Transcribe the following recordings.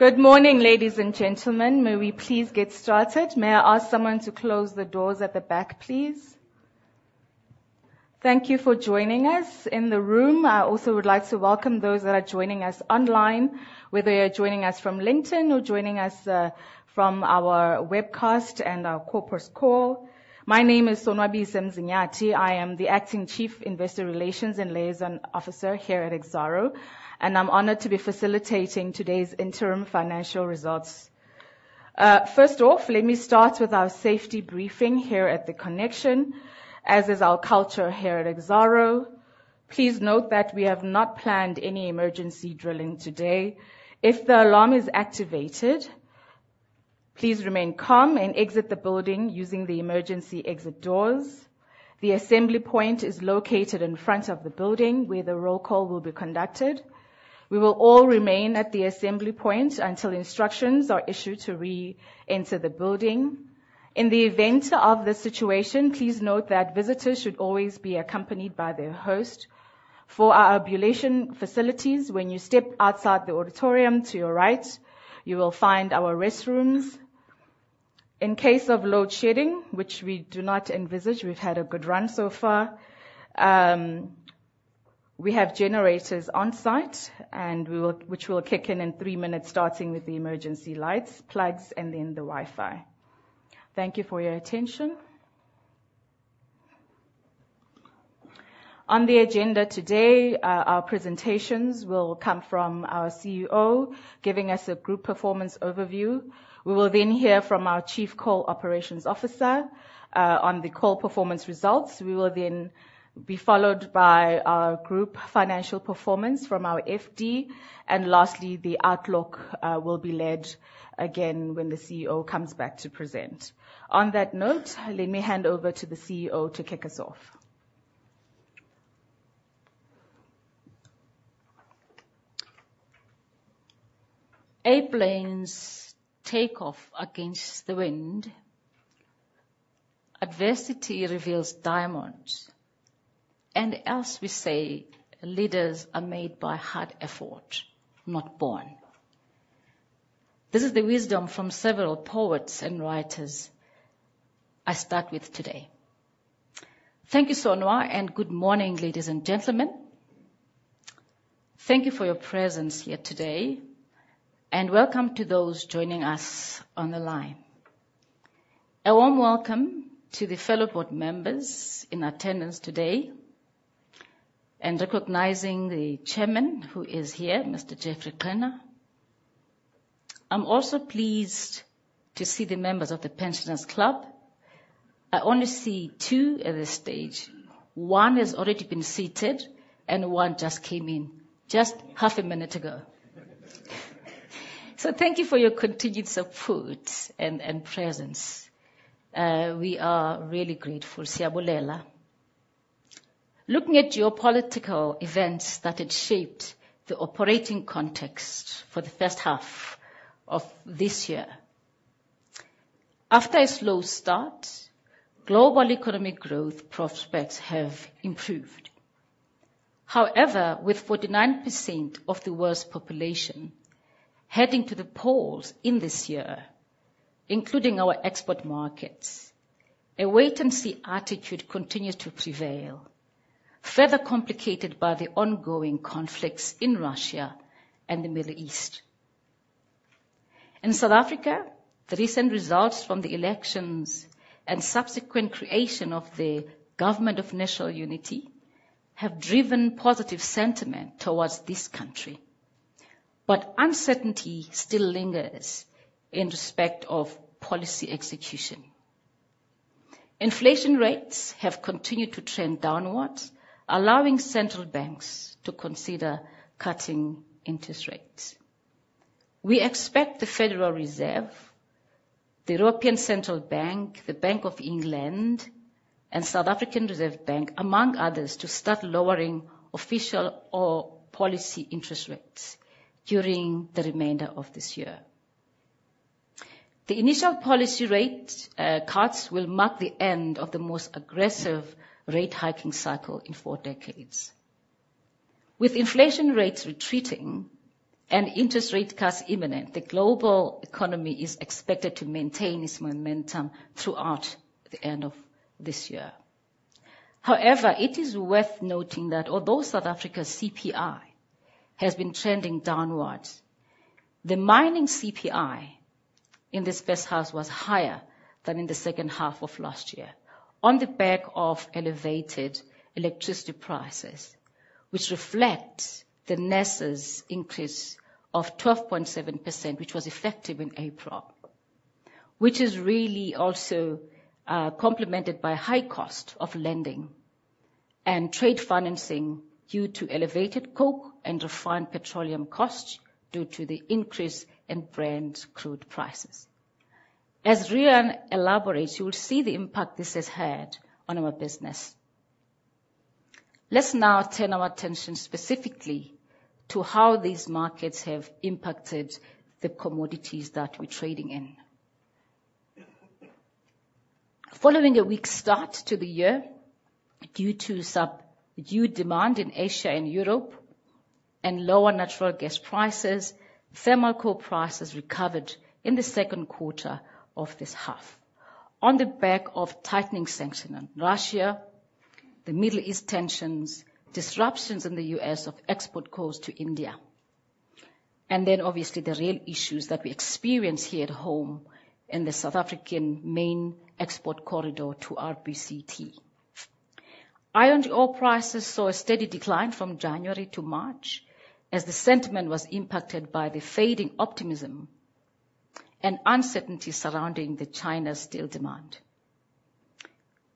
Good morning, ladies and gentlemen. May we please get started? May I ask someone to close the doors at the back, please? Thank you for joining us in the room. I also would like to welcome those that are joining us online, whether you're joining us from LinkedIn or joining us from our webcast and our corporate call. My name is Sonwabile Mzinyathi. I am the acting Chief Investor Relations and Liaison Officer here at Exxaro, and I'm honored to be facilitating today's interim financial results. First off, let me start with our safety briefing here at The ConneXXion, as is our culture here at Exxaro. Please note that we have not planned any emergency drilling today. If the alarm is activated, please remain calm and exit the building using the emergency exit doors. The assembly point is located in front of the building, where the roll call will be conducted. We will all remain at the assembly point until instructions are issued to re-enter the building. In the event of this situation, please note that visitors should always be accompanied by their host. For our ablution facilities, when you step outside the auditorium to your right, you will find our restrooms. In case of load shedding, which we do not envisage, we've had a good run so far, we have generators on site and we will, which will kick in in three minutes, starting with the emergency lights, plugs, and then the Wi-Fi. Thank you for your attention. On the agenda today, our presentations will come from our CEO, giving us a group performance overview. We will then hear from our Chief Coal Operations Officer, on the coal performance results. We will then be followed by our group financial performance from our FD, and lastly, the outlook will be led again when the CEO comes back to present. On that note, let me hand over to the CEO to kick us off. Airplanes take off against the wind. Adversity reveals diamonds, and as we say, leaders are made by hard effort, not born. This is the wisdom from several poets and writers I start with today. Thank you, Sonwabile, and good morning, ladies and gentlemen. Thank you for your presence here today, and welcome to those joining us on the line. A warm welcome to the fellow board members in attendance today, and recognizing the chairman who is here, Mr. Geoffrey Qhena. I'm also pleased to see the members of the Pensioners Club. I only see two at this stage. One has already been seated, and one just came in just half a minute ago. So thank you for your continued support and presence. We are really grateful, Siyabulela. Looking at geopolitical events that had shaped the operating context for the first half of this year. After a slow start, global economic growth prospects have improved. However, with 49% of the world's population heading to the polls in this year, including our export markets, a wait-and-see attitude continues to prevail, further complicated by the ongoing conflicts in Russia and the Middle East. In South Africa, the recent results from the elections and subsequent creation of the Government of National Unity have driven positive sentiment toward this country, but uncertainty still lingers in respect of policy execution. Inflation rates have continued to trend downward, allowing central banks to consider cutting interest rates. We expect the Federal Reserve, the European Central Bank, the Bank of England, and South African Reserve Bank, among others, to start lowering official or policy interest rates during the remainder of this year. The initial policy rate cuts will mark the end of the most aggressive rate hiking cycle in four decades. With inflation rates retreating and interest rate cuts imminent, the global economy is expected to maintain its momentum throughout the end of this year. However, it is worth noting that although South Africa's CPI has been trending downwards, the mining CPI in this first half was higher than in the second half of last year, on the back of elevated electricity prices, which reflects the NERSA's increase of 12.7%, which was effective in April. Which is really also complemented by high cost of lending and trade financing due to elevated coke and refined petroleum costs, due to the increase in Brent crude prices. As Riaan elaborates, you will see the impact this has had on our business. Let's now turn our attention specifically to how these markets have impacted the commodities that we're trading in. Following a weak start to the year due to subdued demand in Asia and Europe, and lower natural gas prices, thermal coal prices recovered in the second quarter of this half. On the back of tightening sanctions on Russia, the Middle East tensions, disruptions in the U.S. of export costs to India, and then obviously the real issues that we experience here at home in the South African main export corridor to RBCT. Iron ore prices saw a steady decline from January to March, as the sentiment was impacted by the fading optimism and uncertainty surrounding the China steel demand.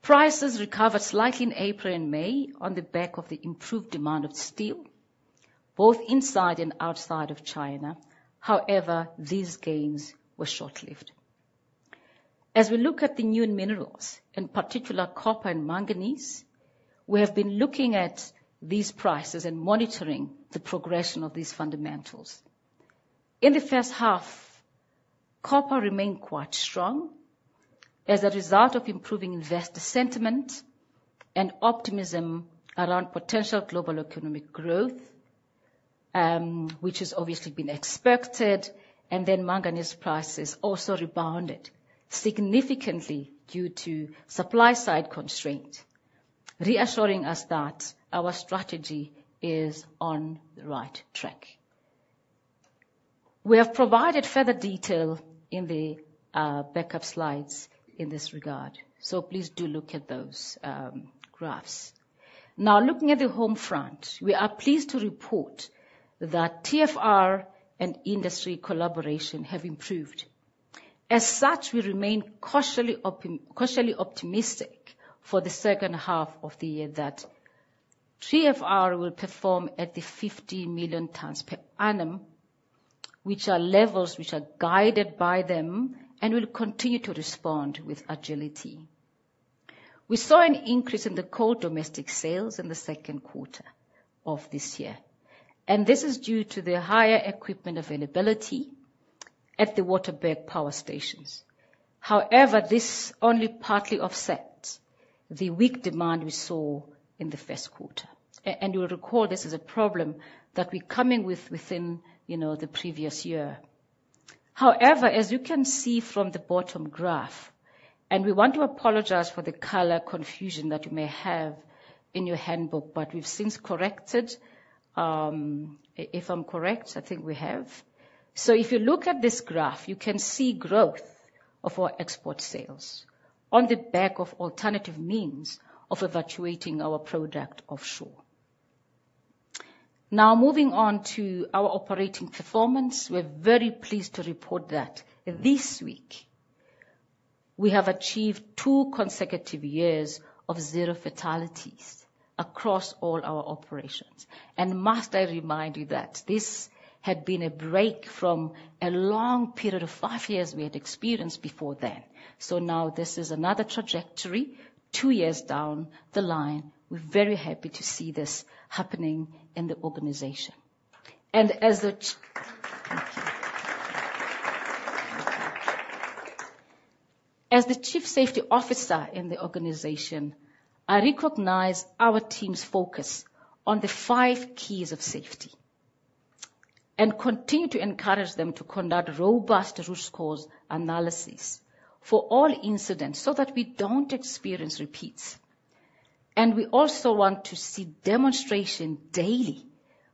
Prices recovered slightly in April and May on the back of the improved demand of steel, both inside and outside of China. However, these gains were short-lived. As we look at the new minerals, in particular, copper and manganese, we have been looking at these prices and monitoring the progression of these fundamentals. In the first half, copper remained quite strong as a result of improving investor sentiment and optimism around potential global economic growth, which has obviously been expected, and then manganese prices also rebounded significantly due to supply side constraint, reassuring us that our strategy is on the right track. We have provided further detail in the backup slides in this regard, so please do look at those graphs. Now, looking at the home front, we are pleased to report that TFR and industry collaboration have improved. As such, we remain cautiously optimistic for the second half of the year that TFR will perform at the 50 million tons per annum, which are levels which are guided by them and will continue to respond with agility. We saw an increase in the coal domestic sales in the second quarter of this year, and this is due to the higher equipment availability at the Waterberg power stations. However, this only partly offsets the weak demand we saw in the first quarter. And you'll recall, this is a problem that we're coming with within, you know, the previous year. However, as you can see from the bottom graph, and we want to apologize for the color confusion that you may have in your handbook, but we've since corrected, if I'm correct, I think we have. So if you look at this graph, you can see growth of our export sales on the back of alternative means of evacuating our product offshore. Now, moving on to our operating performance, we're very pleased to report that this week we have achieved 2 consecutive years of zero fatalities across all our operations. And must I remind you that this had been a break from a long period of 5 years we had experienced before then. So now this is another trajectory, 2 years down the line. We're very happy to see this happening in the organization. And as the—as the Chief Safety Officer in the organization, I recognize our team's focus on the 5 keys of safety, and continue to encourage them to conduct robust root cause analysis for all incidents so that we don't experience repeats. We also want to see demonstration daily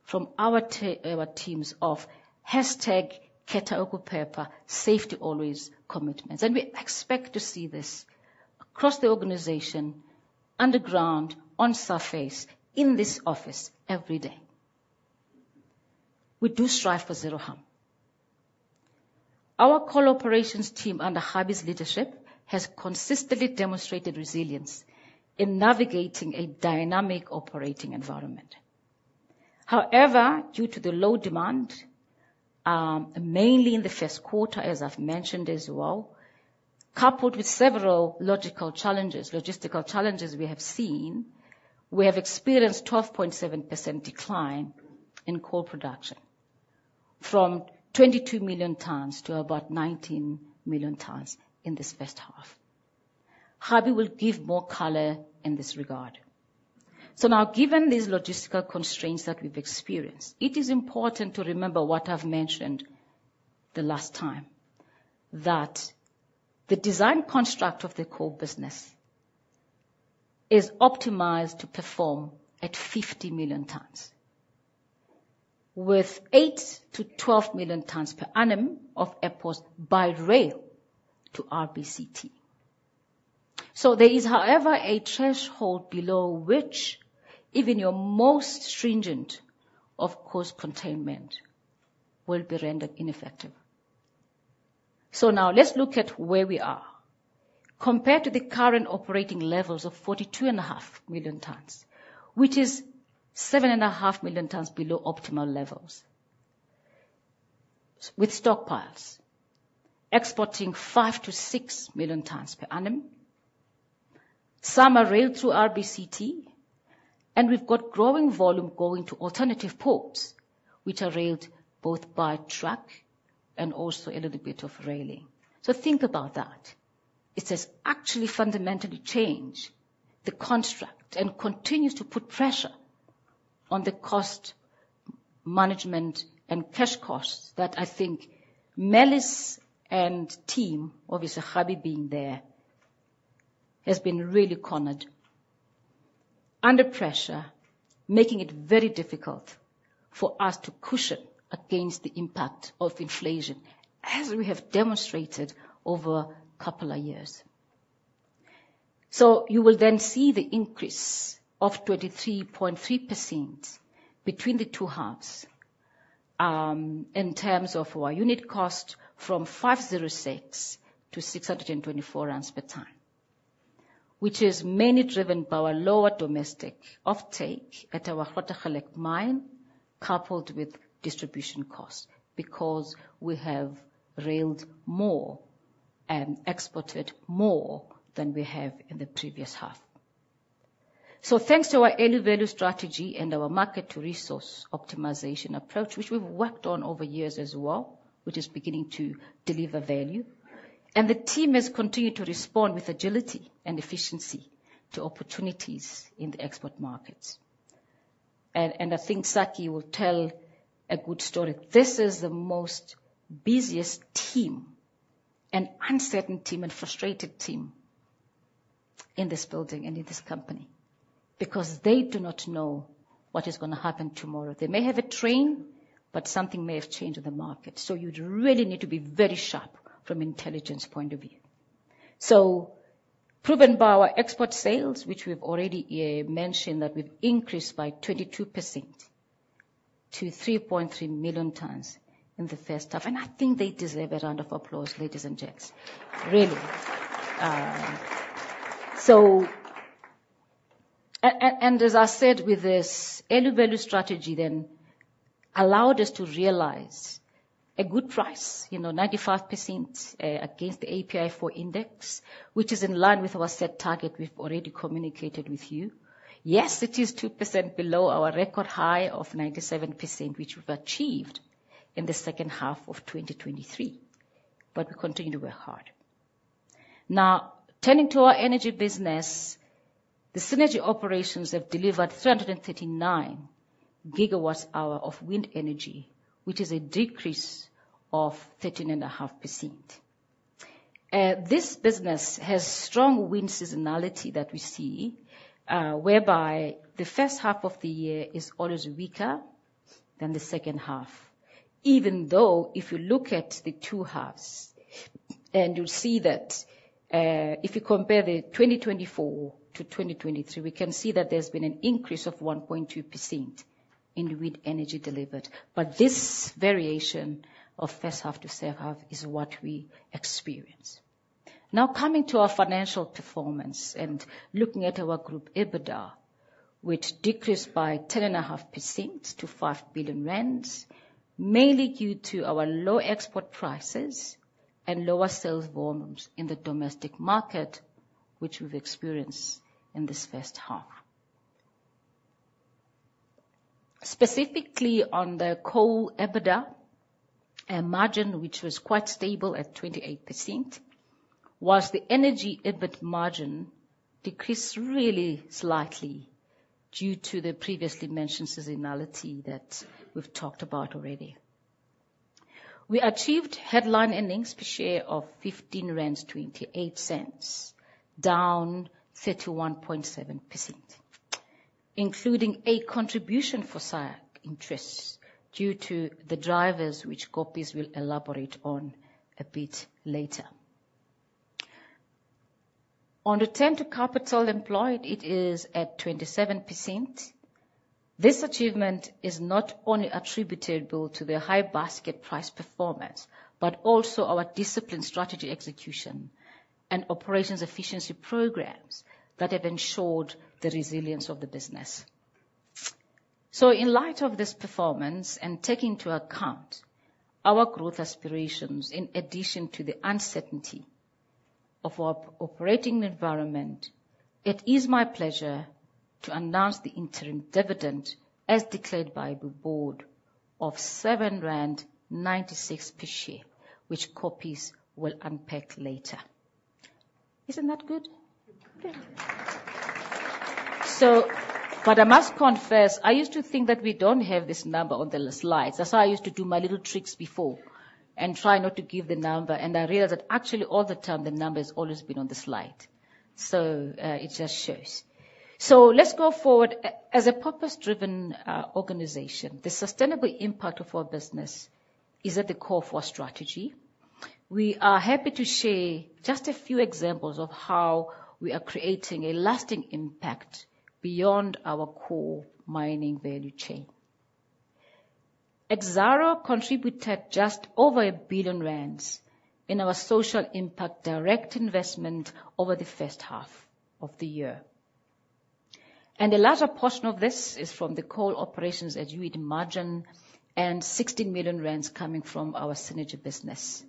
from our teams of hashtag Ke ta oko pepa, safety always commitments. We expect to see this across the organization, underground, on surface, in this office every day. We do strive for zero harm. Our coal operations team, under Harvey's leadership, has consistently demonstrated resilience in navigating a dynamic operating environment. However, due to the low demand, mainly in the first quarter, as I've mentioned as well, coupled with several logical challenges, logistical challenges we have seen, we have experienced 12.7% decline in coal production, from 22 million tons to about 19 million tons in this first half. Harvey will give more color in this regard. So now, given these logistical constraints that we've experienced, it is important to remember what I've mentioned the last time, that the design construct of the coal business is optimized to perform at 50 million tons, with 8-12 million tons per annum of output by rail to RBCT. So there is, however, a threshold below which even your most stringent of cost containment will be rendered ineffective. So now let's look at where we are. Compared to the current operating levels of 42.5 million tons, which is 7.5 million tons below optimal levels, with stockpiles exporting 5-6 million tons per annum. Some are railed through RBCT, and we've got growing volume going to alternative ports, which are railed both by truck and also a little bit of railing. So think about that. It has actually fundamentally changed the construct and continues to put pressure on the cost management and cash costs that I think Melis and team, obviously, Habib being there, has been really cornered, under pressure, making it very difficult for us to cushion against the impact of inflation, as we have demonstrated over a couple of years. So you will then see the increase of 23.3% between the two halves, in terms of our unit cost from 506 to 624 rand per ton, which is mainly driven by our lower domestic offtake at our Grootegeluk mine, coupled with distribution costs, because we have railed more and exported more than we have in the previous half. So thanks to our early value strategy and our Market-to-Resource Optimization approach, which we've worked on over years as well, which is beginning to deliver value, and the team has continued to respond with agility and efficiency to opportunities in the export markets. And I think Sakkie will tell a good story. This is the most busiest team, and uncertain team, and frustrated team in this building and in this company, because they do not know what is gonna happen tomorrow. They may have a train, but something may have changed in the market, so you'd really need to be very sharp from intelligence point of view. So proven by our export sales, which we've already mentioned, that we've increased by 22% to 3.3 million tons in the first half, and I think they deserve a round of applause, ladies and gents. Really. So... And as I said, with this early value strategy, then allowed us to realize a good price, you know, 95% against the API 4 index, which is in line with our set target we've already communicated with you. Yes, it is 2% below our record high of 97%, which we've achieved in the second half of 2023, but we continue to work hard. Now, turning to our energy business, the Cennergi operations have delivered 339 gigawatt hours of wind energy, which is a decrease of 13.5%. This business has strong wind seasonality that we see, whereby the first half of the year is always weaker than the second half, even though if you look at the two halves, and you'll see that, if you compare 2024 to 2023, we can see that there's been an increase of 1.2% in wind energy delivered. But this variation of first half to second half is what we experience. Now, coming to our financial performance and looking at our group EBITDA, which decreased by 10.5% to 5 billion rand, mainly due to our low export prices and lower sales volumes in the domestic market, which we've experienced in this first half. Specifically on the coal EBITDA, a margin which was quite stable at 28%, while the energy EBIT margin decreased really slightly due to the previously mentioned seasonality that we've talked about already. We achieved headline earnings per share of 15.28 rand, down 31.7%, including a contribution for SIAC interests due to the drivers, which Koppeschaar will elaborate on a bit later. On return to capital employed, it is at 27%. This achievement is not only attributable to the high basket price performance, but also our disciplined strategy execution and operations efficiency programs that have ensured the resilience of the business. So in light of this performance, and taking into account our growth aspirations, in addition to the uncertainty of our operating environment, it is my pleasure to announce the interim dividend, as declared by the board, of 7.96 rand per share, which Koppes will unpack later. Isn't that good? So... But I must confess, I used to think that we don't have this number on the slides. That's why I used to do my little tricks before and try not to give the number, and I realized that actually all the time, the number has always been on the slide. So, it just shows. So let's go forward. As a purpose-driven organization, the sustainable impact of our business is at the core of our strategy. We are happy to share just a few examples of how we are creating a lasting impact beyond our core mining value chain. Exxaro contributed just over 1 billion rand in our social impact direct investment over the first half of the year. The larger portion of this is from the coal operations, as you would imagine, and 16 million rand coming from our synergy business.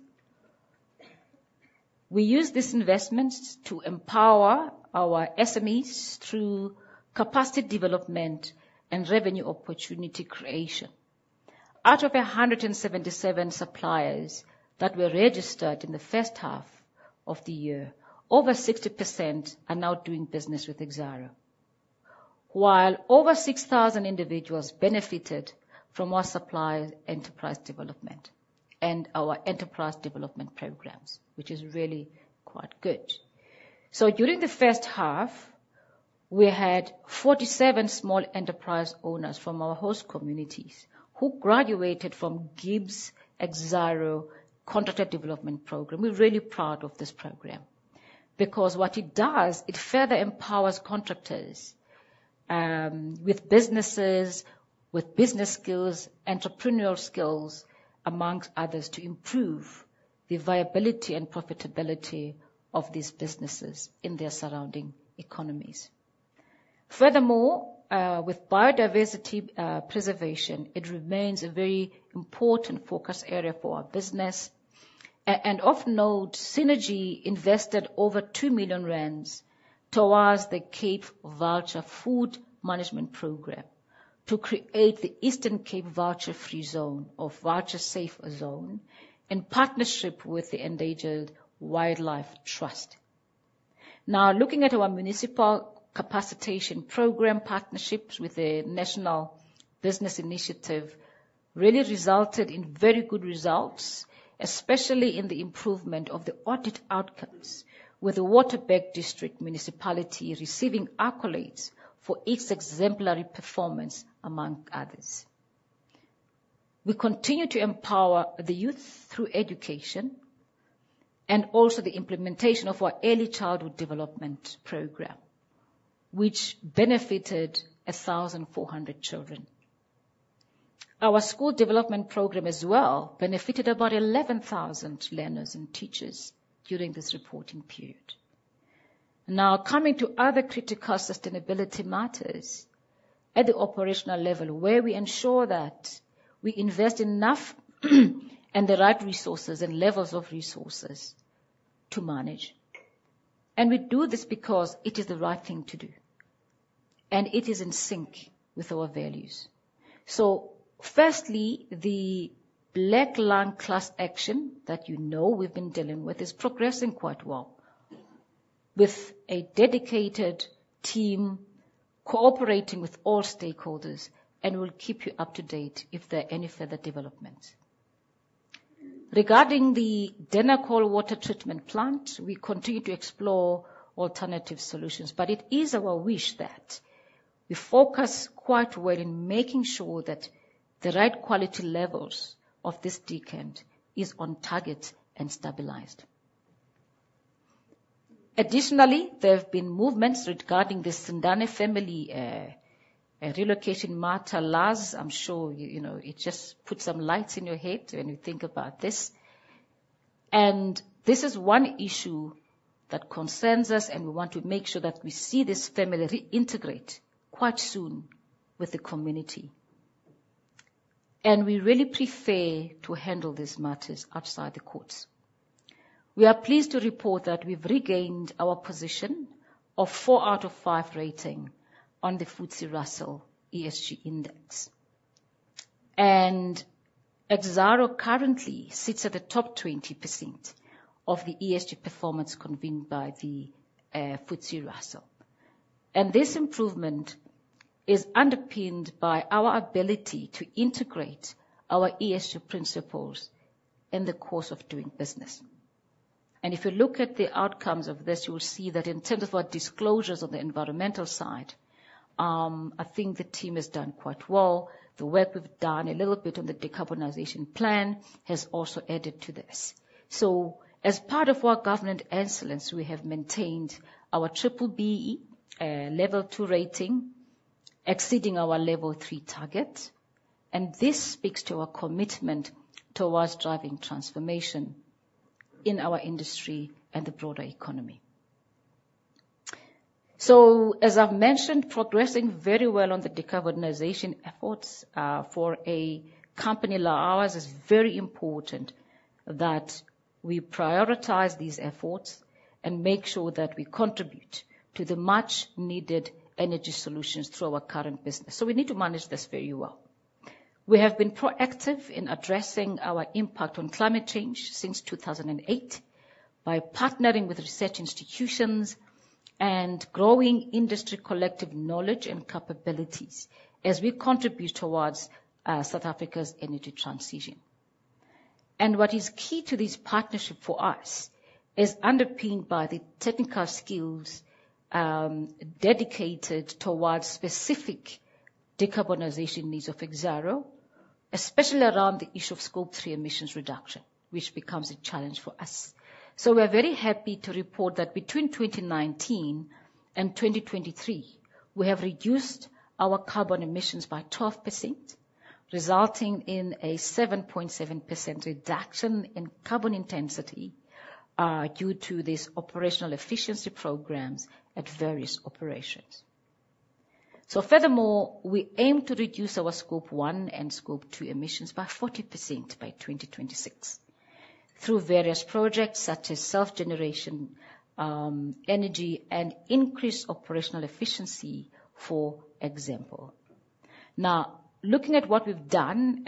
We use this investment to empower our SMEs through capacity development and revenue opportunity creation. Out of 177 suppliers that were registered in the first half of the year, over 60% are now doing business with Exxaro, while over 6,000 individuals benefited from our supplier enterprise development and our enterprise development programs, which is really quite good. So during the first half, we had 47 small enterprise owners from our host communities who graduated from GIBS Exxaro Contractor Development Program. We're really proud of this program because what it does, it further empowers contractors, with businesses, with business skills, entrepreneurial skills, among others, to improve the viability and profitability of these businesses in their surrounding economies. Furthermore, with biodiversity, preservation, it remains a very important focus area for our business. And of note, Cennergi invested over 2 million rand towards the Cape Vulture Food Management Program to create the Eastern Cape Vulture Free Zone or Vulture Safe Zone, in partnership with the Endangered Wildlife Trust. Now, looking at our municipal capacitation program, partnerships with the National Business Initiative really resulted in very good results, especially in the improvement of the audit outcomes, with the Waterberg District Municipality receiving accolades for its exemplary performance, among others. We continue to empower the youth through education and also the implementation of our early childhood development program, which benefited 1,400 children. Our school development program as well benefited about 11,000 learners and teachers during this reporting period. Now, coming to other critical sustainability matters at the operational level, where we ensure that we invest enough and the right resources and levels of resources to manage. We do this because it is the right thing to do, and it is in sync with our values. So firstly, the Black Lung Class Action that you know we've been dealing with is progressing quite well, with a dedicated team cooperating with all stakeholders, and we'll keep you up to date if there are any further developments. Regarding the Durnacol water treatment plant, we continue to explore alternative solutions, but it is our wish that we focus quite well in making sure that the right quality levels of this decant is on target and stabilized. Additionally, there have been movements regarding the Sandane family, relocation matter last. I'm sure you, you know, it just put some lights in your head when you think about this. And this is one issue that concerns us, and we want to make sure that we see this family reintegrate quite soon with the community. And we really prefer to handle these matters outside the courts. We are pleased to report that we've regained our position of 4 out of 5 rating on the FTSE Russell ESG Index, and Exxaro currently sits at the top 20% of the ESG performance convened by the FTSE Russell. This improvement is underpinned by our ability to integrate our ESG principles in the course of doing business. If you look at the outcomes of this, you will see that in terms of our disclosures on the environmental side, I think the team has done quite well. The work we've done, a little bit on the decarbonization plan, has also added to this. So as part of our governance excellence, we have maintained our BBB level 2 rating, exceeding our level 3 target, and this speaks to our commitment towards driving transformation in our industry and the broader economy. So, as I've mentioned, progressing very well on the decarbonization efforts, for a company like ours, is very important that we prioritize these efforts and make sure that we contribute to the much needed energy solutions through our current business. We need to manage this very well. We have been proactive in addressing our impact on climate change since 2008 by partnering with research institutions and growing industry collective knowledge and capabilities as we contribute towards South Africa's energy transition. And what is key to this partnership for us is underpinned by the technical skills, dedicated towards specific decarbonization needs of Exxaro, especially around the issue of Scope 3 emissions reduction, which becomes a challenge for us. We're very happy to report that between 2019 and 2023, we have reduced-... Our carbon emissions by 12%, resulting in a 7.7% reduction in carbon intensity due to these operational efficiency programs at various operations. So furthermore, we aim to reduce our Scope 1 and Scope 2 emissions by 40% by 2026, through various projects such as self-generation energy and increased operational efficiency, for example. Now, looking at what we've done,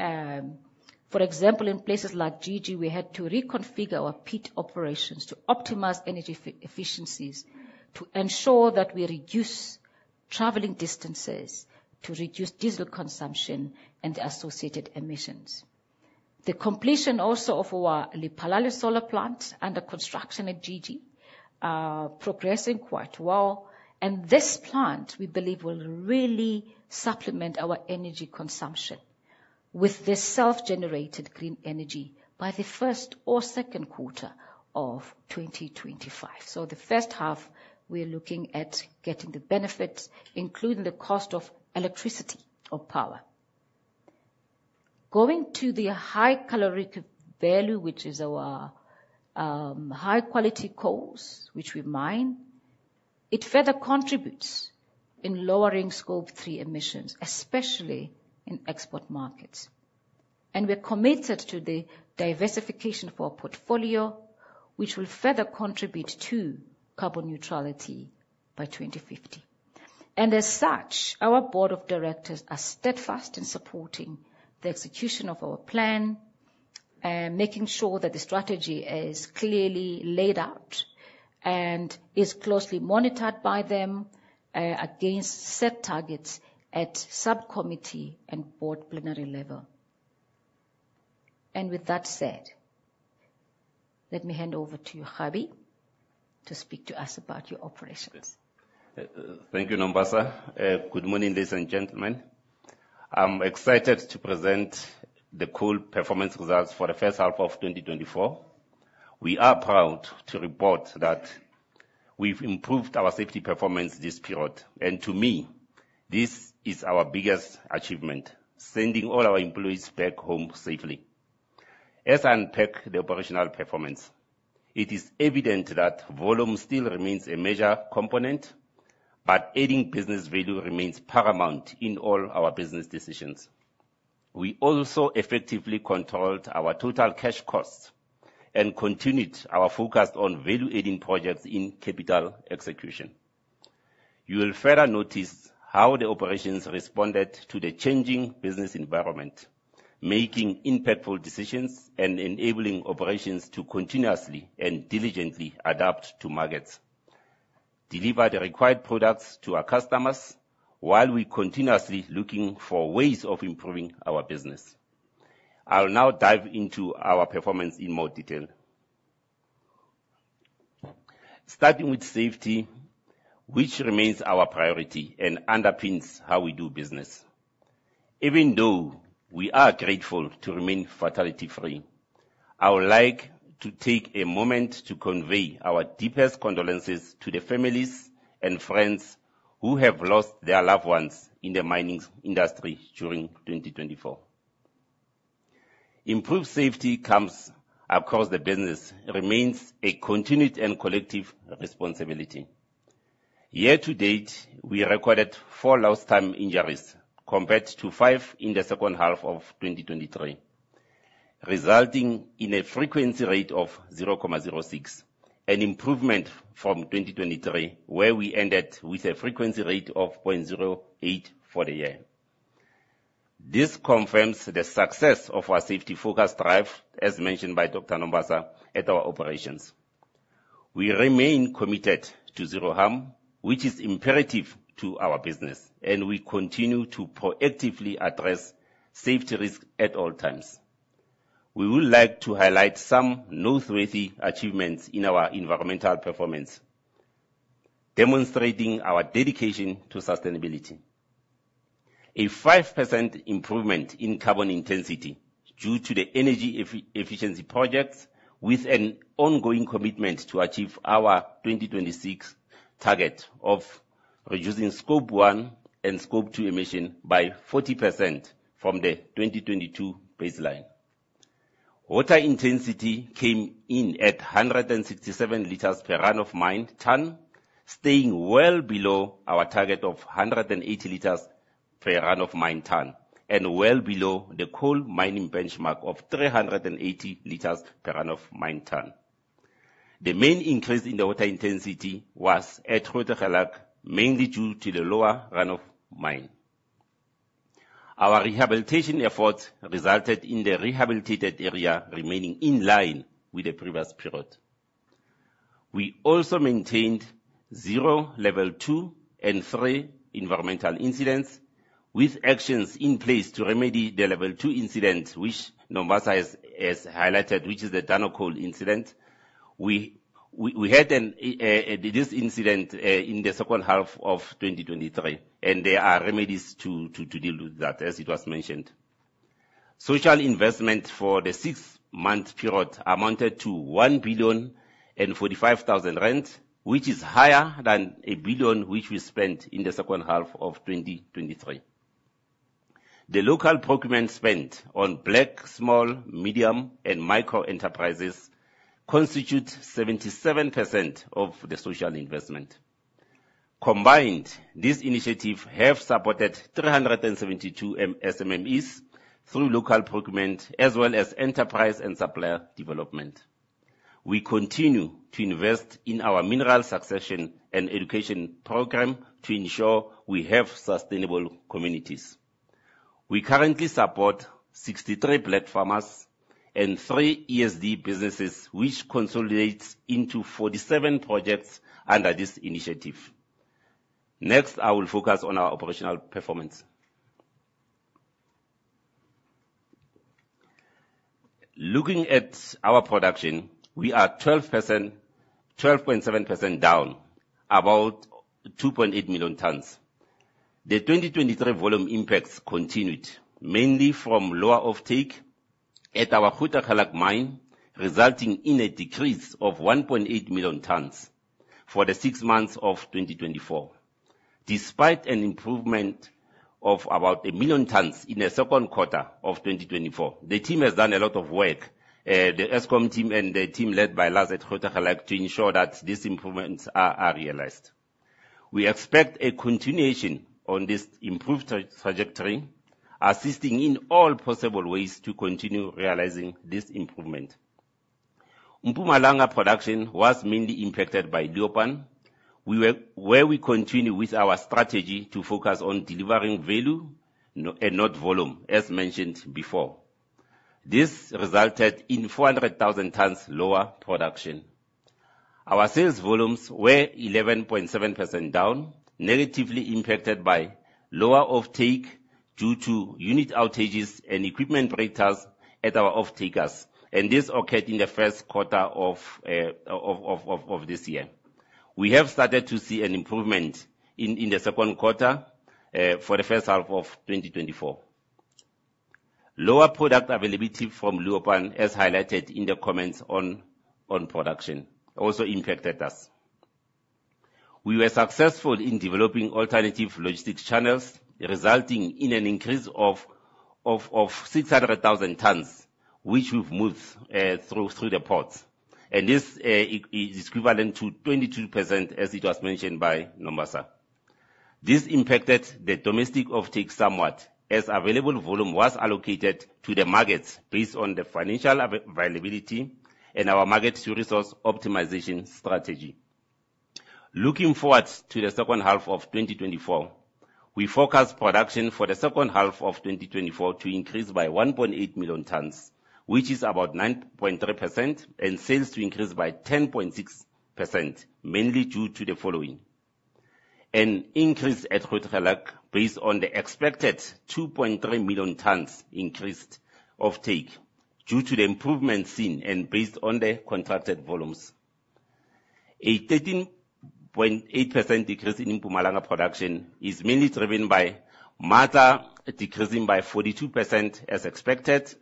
for example, in places like GG, we had to reconfigure our pit operations to optimize energy efficiencies to ensure that we reduce traveling distances, to reduce diesel consumption and associated emissions. The completion also of our Lephalale solar plant under construction at GG are progressing quite well, and this plant, we believe, will really supplement our energy consumption with this self-generated green energy by the first or second quarter of 2025. So the first half, we are looking at getting the benefits, including the cost of electricity or power. Going to the high calorific value, which is our high quality coals, which we mine, it further contributes in lowering Scope 3 emissions, especially in export markets. And we're committed to the diversification of our portfolio, which will further contribute to carbon neutrality by 2050. And as such, our Board of Directors are steadfast in supporting the execution of our plan, making sure that the strategy is clearly laid out and is closely monitored by them, against set targets at subcommittee and Board plenary level. And with that said, let me hand over to you, Kgabi Masia, to speak to us about your operations. Yes. Thank you, Nombasa. Good morning, ladies and gentlemen. I'm excited to present the coal performance results for the first half of 2024. We are proud to report that we've improved our safety performance this period, and to me, this is our biggest achievement, sending all our employees back home safely. As I unpack the operational performance, it is evident that volume still remains a major component, but adding business value remains paramount in all our business decisions. We also effectively controlled our total cash costs and continued our focus on value-adding projects in capital execution. You will further notice how the operations responded to the changing business environment, making impactful decisions and enabling operations to continuously and diligently adapt to markets, deliver the required products to our customers, while we continuously looking for ways of improving our business. I'll now dive into our performance in more detail. Starting with safety, which remains our priority and underpins how we do business. Even though we are grateful to remain fatality-free, I would like to take a moment to convey our deepest condolences to the families and friends who have lost their loved ones in the mining industry during 2024. Improved safety comes across the business, remains a continued and collective responsibility. Year to date, we recorded 4 lost time injuries, compared to 5 in the second half of 2023, resulting in a frequency rate of 0.06, an improvement from 2023, where we ended with a frequency rate of 0.08 for the year. This confirms the success of our safety focus drive, as mentioned by Dr. Nombasa, at our operations. We remain committed to zero harm, which is imperative to our business, and we continue to proactively address safety risks at all times. We would like to highlight some noteworthy achievements in our environmental performance, demonstrating our dedication to sustainability. A 5% improvement in carbon intensity due to the energy efficiency projects, with an ongoing commitment to achieve our 2026 target of reducing Scope One and Scope Two emission by 40% from the 2022 baseline. Water intensity came in at 167 liters per ton of mine ton, staying well below our target of 180 liters per ton of mine ton, and well below the coal mining benchmark of 380 liters per ton of mine ton. The main increase in the water intensity was at Grootegeluk, mainly due to the lower run of mine. Our rehabilitation efforts resulted in the rehabilitated area remaining in line with the previous period. We also maintained zero Level Two and Three environmental incidents, with actions in place to remedy the Level Two incident, which Nombasa has highlighted, which is the Durnacol incident. We had this incident in the second half of 2023, and there are remedies to deal with that, as it was mentioned. Social investment for the six-month period amounted to 1 billion and 45,000, which is higher than 1 billion, which we spent in the second half of 2023. The local procurement spent on black, small, medium, and micro enterprises constitute 77% of the social investment. Combined, these initiatives have supported 372 SMMEs through local procurement, as well as enterprise and supplier development. We continue to invest in our mineral succession and education program to ensure we have sustainable communities. We currently support 63 black farmers and three ESD businesses, which consolidates into 47 projects under this initiative. Next, I will focus on our operational performance. Looking at our production, we are 12%, 12.7% down, about 2.8 million tons. The 2023 volume impacts continued, mainly from lower offtake at our Grootegeluk mine, resulting in a decrease of 1.8 million tons for the six months of 2024. Despite an improvement of about 1 million tons in the second quarter of 2024, the team has done a lot of work, the Eskom team and the team led by us at Grootegeluk, to ensure that these improvements are realized. We expect a continuation on this improved trajectory, assisting in all possible ways to continue realizing this improvement. Mpumalanga production was mainly impacted by Leeuwpan. We continue with our strategy to focus on delivering value and not volume, as mentioned before. This resulted in 400,000 tons lower production. Our sales volumes were 11.7% down, negatively impacted by lower offtake due to unit outages and equipment breakthroughs at our offtakers, and this occurred in the first quarter of this year. We have started to see an improvement in the second quarter for the first half of 2024. Lower product availability from Leeuwpan, as highlighted in the comments on production, also impacted us. We were successful in developing alternative logistics channels, resulting in an increase of 600,000 tons, which we've moved through the ports, and this is equivalent to 22%, as it was mentioned by Nombasa. This impacted the domestic offtake somewhat, as available volume was allocated to the markets based on the financial availability and our Market-to-Resource Optimization strategy. Looking forward to the second half of 2024, we forecast production for the second half of 2024 to increase by 1.8 million tons, which is about 9.3%, and sales to increase by 10.6%, mainly due to the following: An increase at Grootegeluk, based on the expected 2.3 million tons increased offtake due to the improvements seen and based on the contracted volumes. A 13.8% decrease in Mpumalanga production is mainly driven by Matla decreasing by 42%, as expected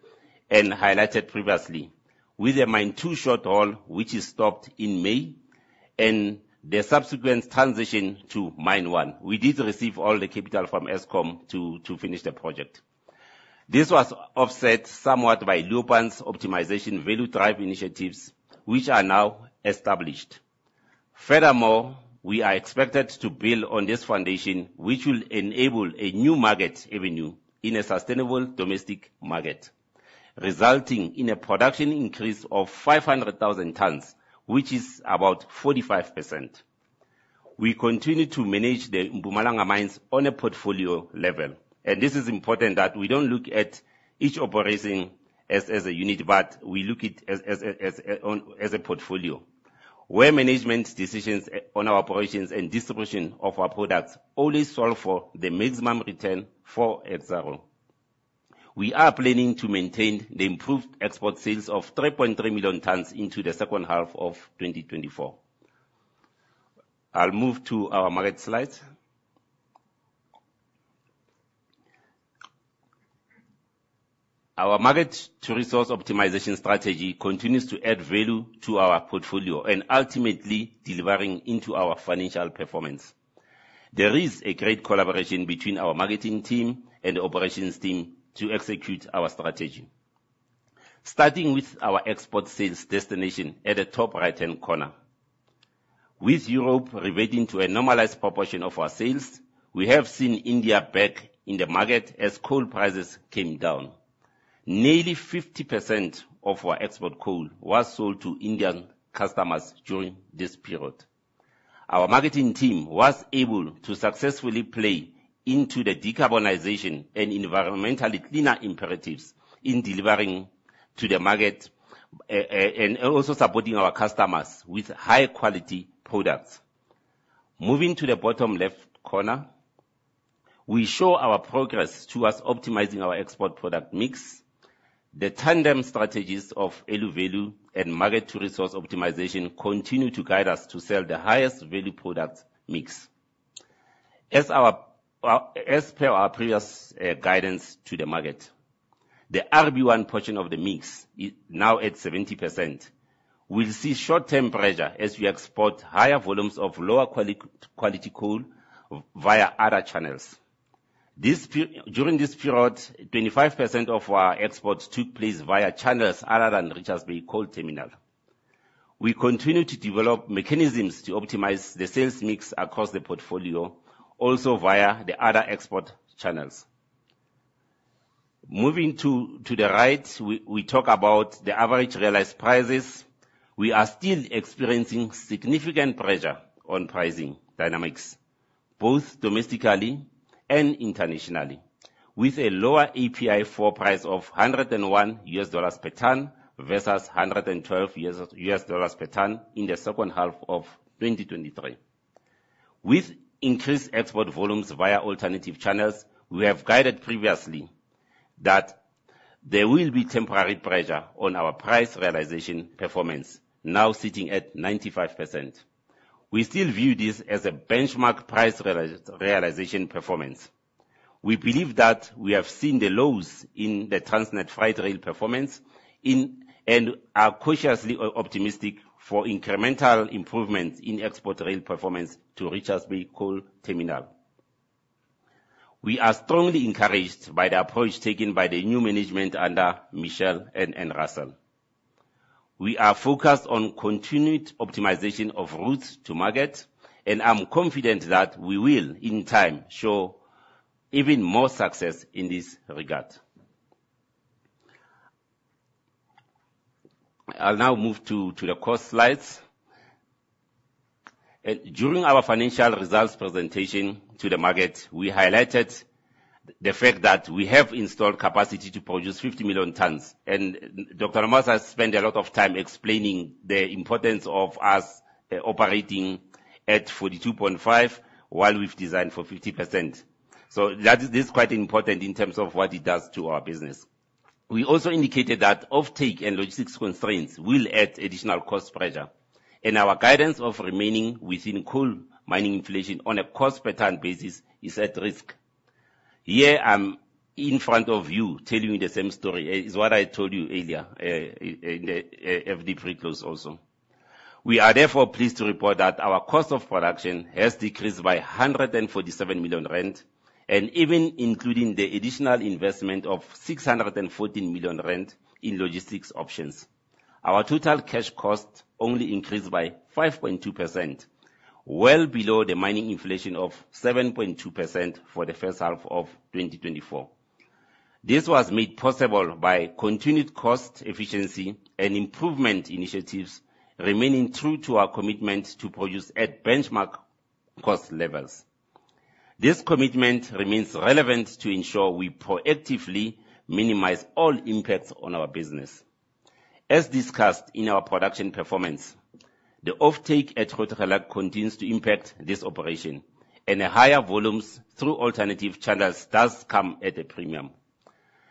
and highlighted previously, with the mine 2 short haul, which is stopped in May, and the subsequent transition to mine 1. We did receive all the capital from Eskom to finish the project. This was offset somewhat by Leeuwpan's optimization value drive initiatives, which are now established. Furthermore, we are expected to build on this foundation, which will enable a new market avenue in a sustainable domestic market, resulting in a production increase of 500,000 tons, which is about 45%. We continue to manage the Mpumalanga mines on a portfolio level, and this is important that we don't look at each operation as a unit, but we look at it as a portfolio, where management decisions on our operations and distribution of our products only solve for the maximum return for Exxaro. We are planning to maintain the improved export sales of 3.3 million tons into the second half of 2024. I'll move to our market slides. Our market-to-resource optimization strategy continues to add value to our portfolio and ultimately delivering into our financial performance. There is a great collaboration between our marketing team and operations team to execute our strategy. Starting with our export sales destination at the top right-hand corner. With Europe reverting to a normalized proportion of our sales, we have seen India back in the market as coal prices came down. Nearly 50% of our export coal was sold to Indian customers during this period. Our marketing team was able to successfully play into the decarbonization and environmentally cleaner imperatives in delivering to the market, and also supporting our customers with high-quality products. Moving to the bottom left corner, we show our progress towards optimizing our export product mix. The tandem strategies of value and market to resource optimization continue to guide us to sell the highest value product mix.... as per our previous guidance to the market, the RB1 portion of the mix is now at 70%. We'll see short-term pressure as we export higher volumes of lower quality coal via other channels. During this period, 25% of our exports took place via channels other than Richards Bay Coal Terminal. We continue to develop mechanisms to optimize the sales mix across the portfolio, also via the other export channels. Moving to the right, we talk about the average realized prices. We are still experiencing significant pressure on pricing dynamics, both domestically and internationally, with a lower API 4 price of $101 per ton versus $112 per ton in the second half of 2023. With increased export volumes via alternative channels, we have guided previously that there will be temporary pressure on our price realization performance, now sitting at 95%. We still view this as a benchmark price realization performance. We believe that we have seen the lows in the Transnet Freight Rail performance in, and are cautiously optimistic for incremental improvements in export rail performance to Richards Bay Coal Terminal. We are strongly encouraged by the approach taken by the new management under Michelle and Russell. We are focused on continued optimization of routes to market, and I'm confident that we will, in time, show even more success in this regard. I'll now move to the cost slides. During our financial results presentation to the market, we highlighted the fact that we have installed capacity to produce 50 million tons, and Dr. Nombasa spent a lot of time explaining the importance of us operating at 42.5, while we've designed for 50%. So that is, this is quite important in terms of what it does to our business. We also indicated that offtake and logistics constraints will add additional cost pressure, and our guidance of remaining within coal mining inflation on a cost-per-ton basis is at risk. Here, I'm in front of you telling you the same story. It's what I told you earlier, in the FD pre-close also. We are therefore pleased to report that our cost of production has decreased by 147 million rand, and even including the additional investment of 614 million rand in logistics options, our total cash cost only increased by 5.2%, well below the mining inflation of 7.2% for the first half of 2024. This was made possible by continued cost efficiency and improvement initiatives, remaining true to our commitment to produce at benchmark cost levels. This commitment remains relevant to ensure we proactively minimize all impacts on our business. As discussed in our production performance, the offtake at Grootegeluk continues to impact this operation, and the higher volumes through alternative channels does come at a premium.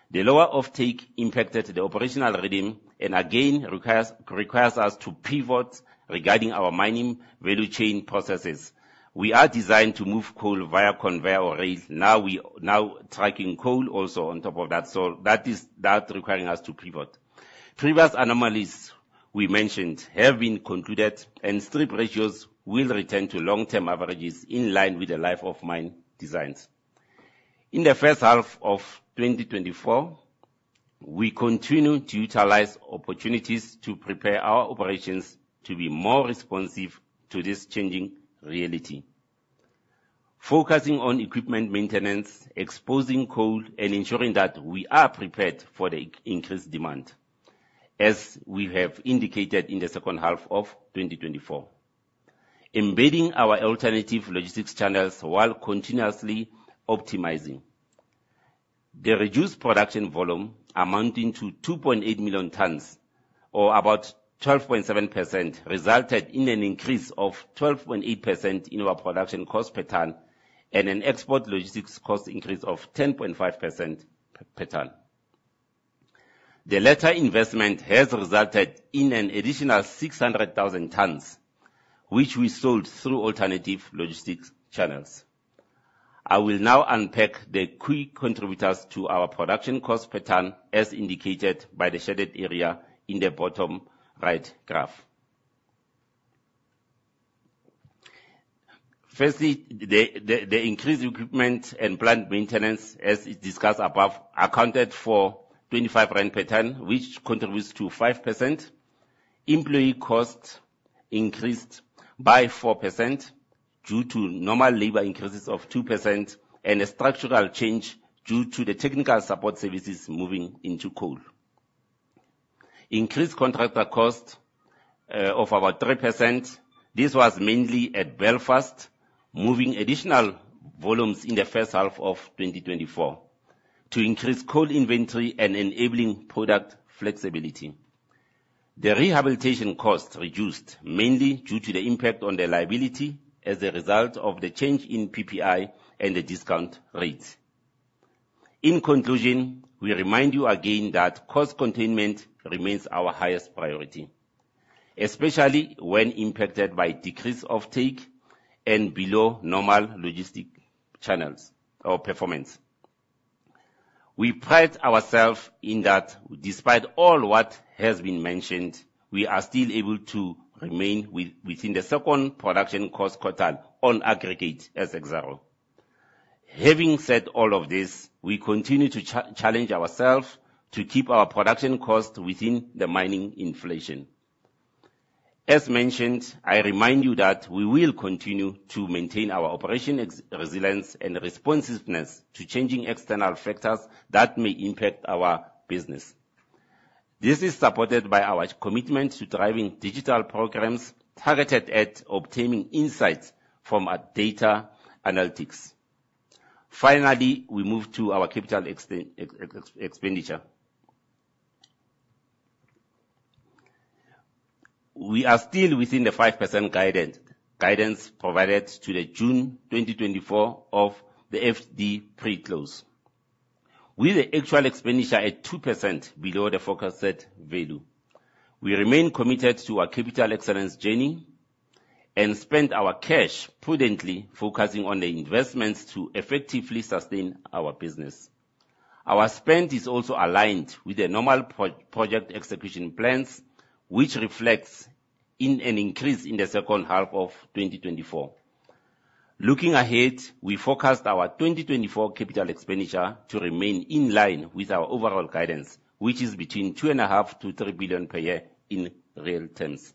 The lower offtake impacted the operational rhythm, and again, requires us to pivot regarding our mining value chain processes. We are designed to move coal via conveyor or rail. Now now trucking coal also on top of that, so that is requiring us to pivot. Previous anomalies we mentioned have been concluded, and strip ratios will return to long-term averages in line with the life of mine designs. In the first half of 2024, we continued to utilize opportunities to prepare our operations to be more responsive to this changing reality. Focusing on equipment maintenance, exposing coal, and ensuring that we are prepared for the increased demand, as we have indicated in the second half of 2024. Embedding our alternative logistics channels while continuously optimizing. The reduced production volume, amounting to 2.8 million tons or about 12.7%, resulted in an increase of 12.8% in our production cost per ton and an export logistics cost increase of 10.5% per ton. The latter investment has resulted in an additional 600,000 tons, which we sold through alternative logistics channels. I will now unpack the key contributors to our production cost per ton, as indicated by the shaded area in the bottom right graph. Firstly, the increased equipment and plant maintenance, as is discussed above, accounted for 25 rand per ton, which contributes to 5%. Employee costs increased by 4% due to normal labor increases of 2% and a structural change due to the technical support services moving into coal. Increased contractor cost of about 3%. This was mainly at Belfast, moving additional volumes in the first half of 2024 to increase coal inventory and enabling product flexibility. The rehabilitation cost reduced mainly due to the impact on the liability as a result of the change in PPI and the discount rates. In conclusion, we remind you again that cost containment remains our highest priority, especially when impacted by decreased offtake and below normal logistic channels or performance. We pride ourself in that, despite all what has been mentioned, we are still able to remain within the second production cost quartile on aggregate as Exxaro. Having said all of this, we continue to challenge ourselves to keep our production costs within the mining inflation. As mentioned, I remind you that we will continue to maintain our operational resilience and responsiveness to changing external factors that may impact our business. This is supported by our commitment to driving digital programs targeted at obtaining insights from our data analytics. Finally, we move to our capital expenditure. We are still within the 5% guidance, guidance provided to the June 2024 of the FD pre-close, with the actual expenditure at 2% below the forecasted value. We remain committed to our capital excellence journey and spend our cash prudently, focusing on the investments to effectively sustain our business. Our spend is also aligned with the normal project execution plans, which reflects in an increase in the second half of 2024. Looking ahead, we forecast our 2024 capital expenditure to remain in line with our overall guidance, which is between 2.5 billion-3 billion per year in real terms.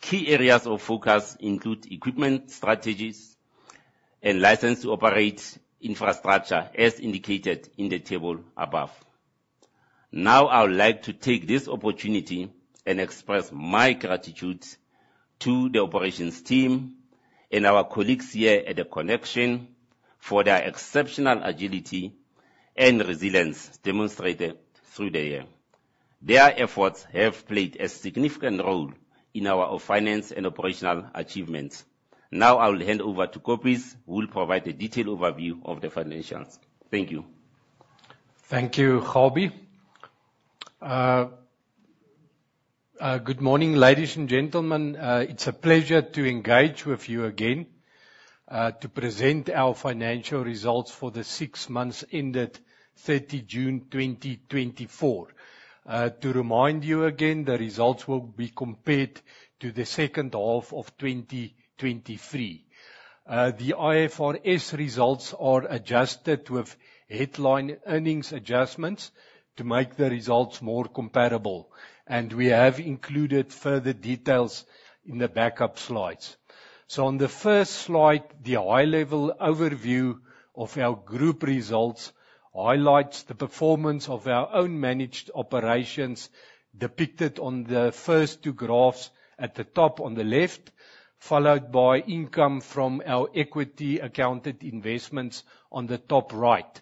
Key areas of focus include equipment strategies and license to operate infrastructure, as indicated in the table above. Now, I would like to take this opportunity and express my gratitude to the operations team and our colleagues here at The ConneXXion for their exceptional agility and resilience demonstrated through the year. Their efforts have played a significant role in our finance and operational achievements. Now, I will hand over to Kobus, who will provide a detailed overview of the financials. Thank you. Thank you, Kgabi. Good morning, ladies and gentlemen. It's a pleasure to engage with you again, to present our financial results for the six months ended 30 June 2024. To remind you again, the results will be compared to the second half of 2023. The IFRS results are adjusted with headline earnings adjustments to make the results more comparable, and we have included further details in the backup slides. On the first slide, the high-level overview of our group results highlights the performance of our own managed operations, depicted on the first two graphs at the top on the left, followed by income from our equity accounted investments on the top right.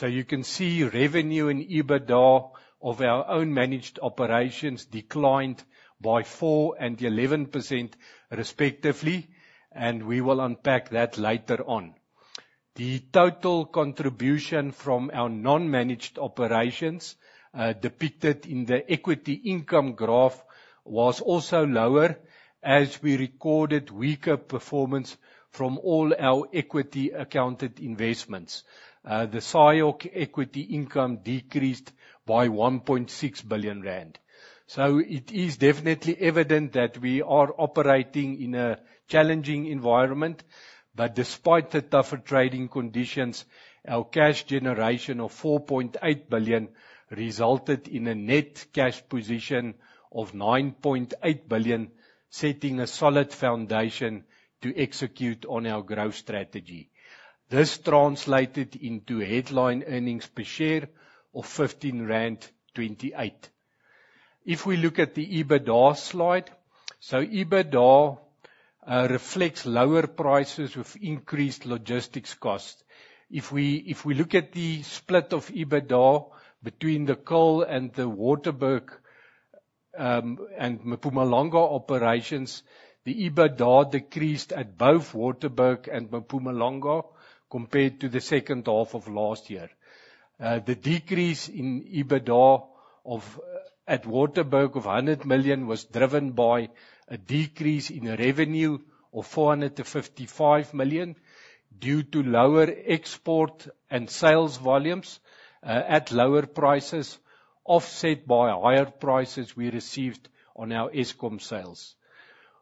You can see revenue and EBITDA of our own managed operations declined by 4% and 11%, respectively, and we will unpack that later on. The total contribution from our non-managed operations, depicted in the equity income graph, was also lower as we recorded weaker performance from all our equity accounted investments. The SIOC equity income decreased by 1.6 billion rand. So it is definitely evident that we are operating in a challenging environment. But despite the tougher trading conditions, our cash generation of 4.8 billion resulted in a net cash position of 9.8 billion, setting a solid foundation to execute on our growth strategy. This translated into headline earnings per share of 15.28 rand. If we look at the EBITDA slide, so EBITDA, reflects lower prices with increased logistics costs. If we look at the split of EBITDA between the coal and the Waterberg, and Mpumalanga operations, the EBITDA decreased at both Waterberg and Mpumalanga compared to the second half of last year. The decrease in EBITDA at Waterberg of 100 million was driven by a decrease in revenue of 455 million due to lower export and sales volumes at lower prices, offset by higher prices we received on our Eskom sales.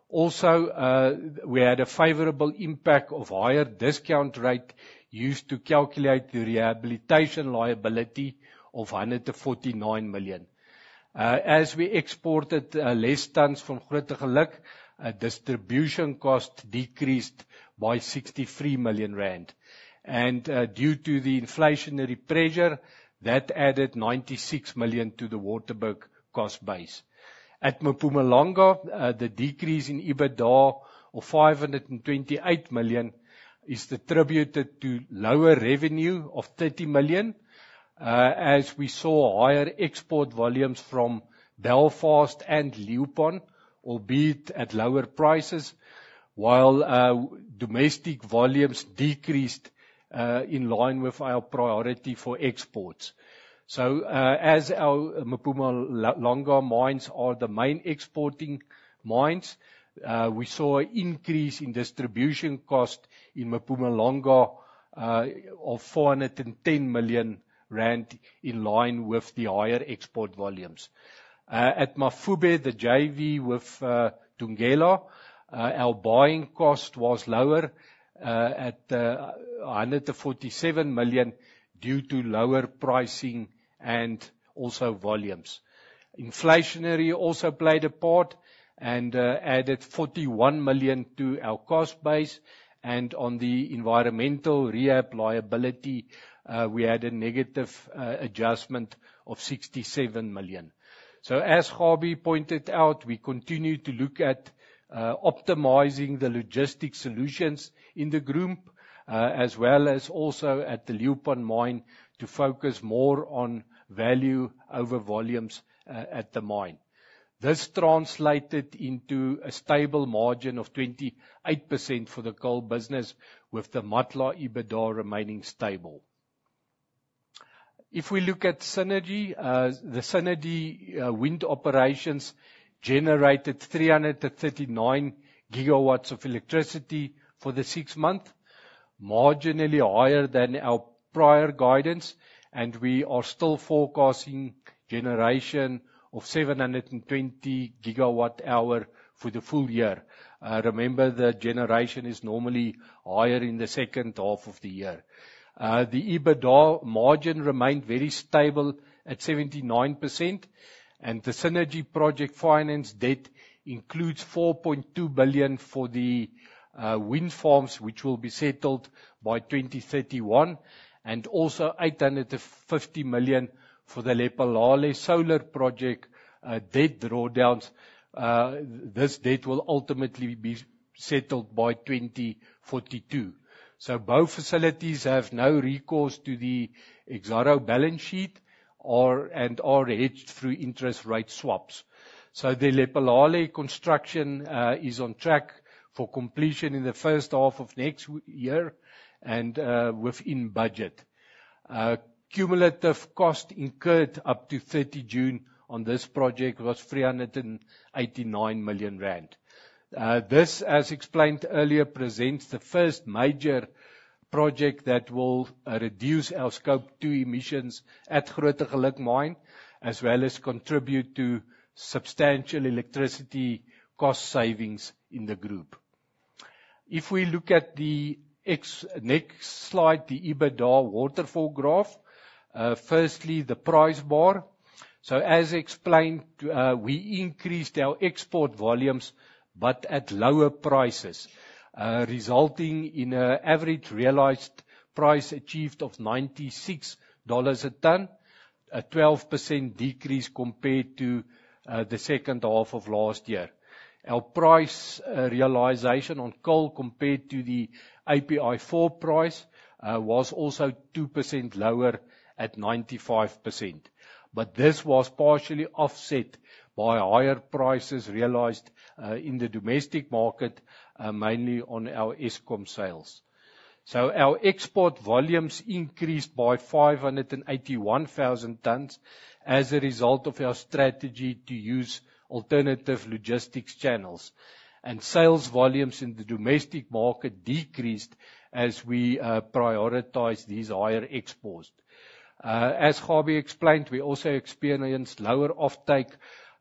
Also, we had a favorable impact of higher discount rate used to calculate the rehabilitation liability of 149 million. As we exported less tons from Grootegeluk, distribution cost decreased by 63 million rand, and due to the inflationary pressure, that added 96 million to the Waterberg cost base. At Mpumalanga, the decrease in EBITDA of 528 million is attributed to lower revenue of 30 million, as we saw higher export volumes from Belfast and Leeuwpan, albeit at lower prices, while domestic volumes decreased in line with our priority for exports. So, as our Mpumalanga mines are the main exporting mines, we saw an increase in distribution cost in Mpumalanga of 410 million rand, in line with the higher export volumes. At Mafube, the JV with Thungela, our buying cost was lower at 147 million, due to lower pricing and also volumes. Inflationary also played a part, and added 41 million to our cost base, and on the environmental rehab liability, we had a negative adjustment of 67 million. As Kgabi pointed out, we continue to look at, optimizing the logistics solutions in the group, as well as also at the Leeuwpan mine, to focus more on value over volumes at the mine. This translated into a stable margin of 28% for the coal business, with the Matla EBITDA remaining stable. If we look at Cennergi, the Cennergi wind operations generated 339 gigawatts of electricity for the six months, marginally higher than our prior guidance, and we are still forecasting generation of 720 gigawatt hour for the full year. Remember, the generation is normally higher in the second half of the year. The EBITDA margin remained very stable at 79%, and the Cennergi project finance debt includes 4.2 billion for the wind farms, which will be settled by 2031, and also 850 million for the Lephalale Solar Project debt drawdowns. This debt will ultimately be settled by 2042. So both facilities have no recourse to the Exxaro balance sheet and are hedged through interest rate swaps. So the Lephalale construction is on track for completion in the first half of next year, and within budget. Cumulative cost incurred up to 30 June on this project was 389 million rand. This, as explained earlier, presents the first major project that will reduce our Scope 2 emissions at Grootegeluk Mine, as well as contribute to substantial electricity cost savings in the group. If we look at the next slide, the EBITDA waterfall graph. Firstly, the price bar. So as explained, we increased our export volumes, but at lower prices, resulting in an average realized price achieved of $96 a ton, a 12% decrease compared to the second half of last year. Our price realization on coal, compared to the API 4 price, was also 2% lower at 95%, but this was partially offset by higher prices realized in the domestic market, mainly on our Eskom sales. So our export volumes increased by 581,000 tons as a result of our strategy to use alternative logistics channels. Sales volumes in the domestic market decreased as we prioritized these higher exports. As Kgabi explained, we also experienced lower offtake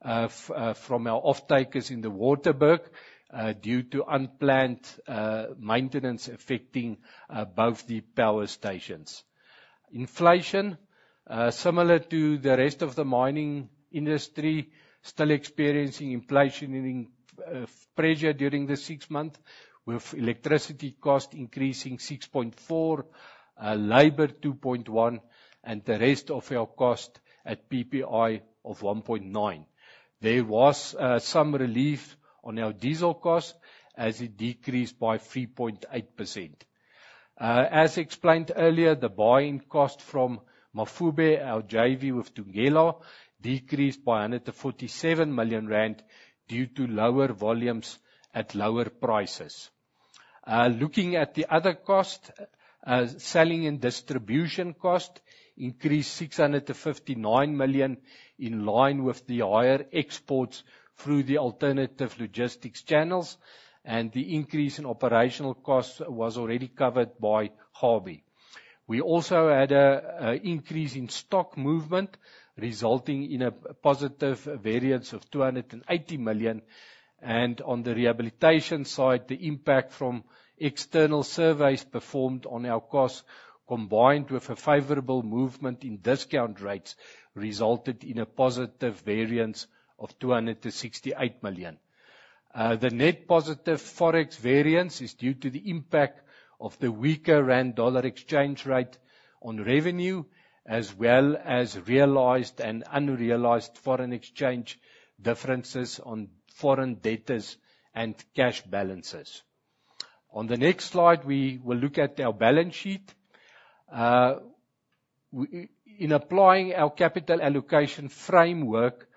from our offtakers in the Waterberg due to unplanned maintenance affecting both the power stations. Inflation, similar to the rest of the mining industry, still experiencing inflation in pressure during the six months, with electricity costs increasing 6.4, labor 2.1, and the rest of our costs at PPI of 1.9. There was some relief on our diesel costs, as it decreased by 3.8%. As explained earlier, the buying cost from Mafube, our JV with Thungela, decreased by 147 million rand due to lower volumes at lower prices. Looking at the other costs, selling and distribution costs increased 659 million, in line with the higher exports through the alternative logistics channels, and the increase in operational costs was already covered by Kgabi. We also had an increase in stock movement, resulting in a positive variance of 280 million. On the rehabilitation side, the impact from external surveys performed on our costs, combined with a favorable movement in discount rates, resulted in a positive variance of 268 million. The net positive Forex variance is due to the impact of the weaker rand/dollar exchange rate on revenue, as well as realized and unrealized foreign exchange differences on foreign debtors and cash balances. On the next slide, we will look at our balance sheet. In applying our capital allocation framework,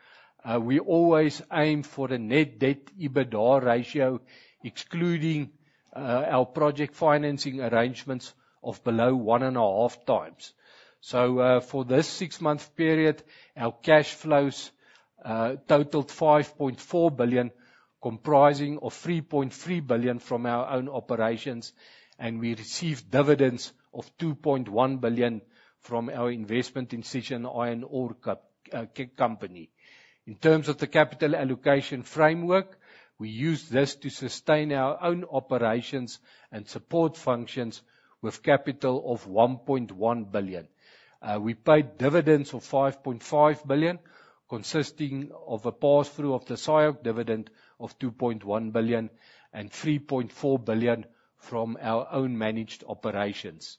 we always aim for the net debt EBITDA ratio, excluding our project financing arrangements of below 1.5 times. For this six-month period, our cash flows totaled 5.4 billion, comprising of 3.3 billion from our own operations, and we received dividends of 2.1 billion from our investment in Sishen Iron Ore Company. In terms of the capital allocation framework, we use this to sustain our own operations and support functions with capital of 1.1 billion. We paid dividends of 5.5 billion, consisting of a pass-through of the SIOC dividend of 2.1 billion and 3.4 billion from our own managed operations.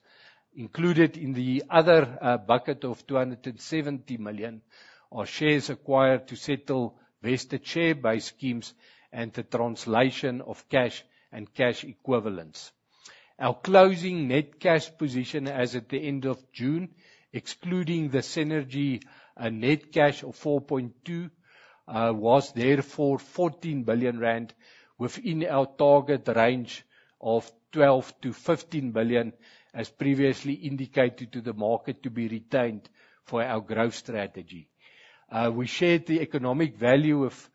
Included in the other bucket of 270 million are shares acquired to settle vested share-based schemes and the translation of cash and cash equivalents. Our closing net cash position as at the end of June, excluding the synergy and net cash of 4.2 billion, was therefore 14 billion rand, within our target range of 12 billion-15 billion, as previously indicated to the market to be retained for our growth strategy. We shared the economic value of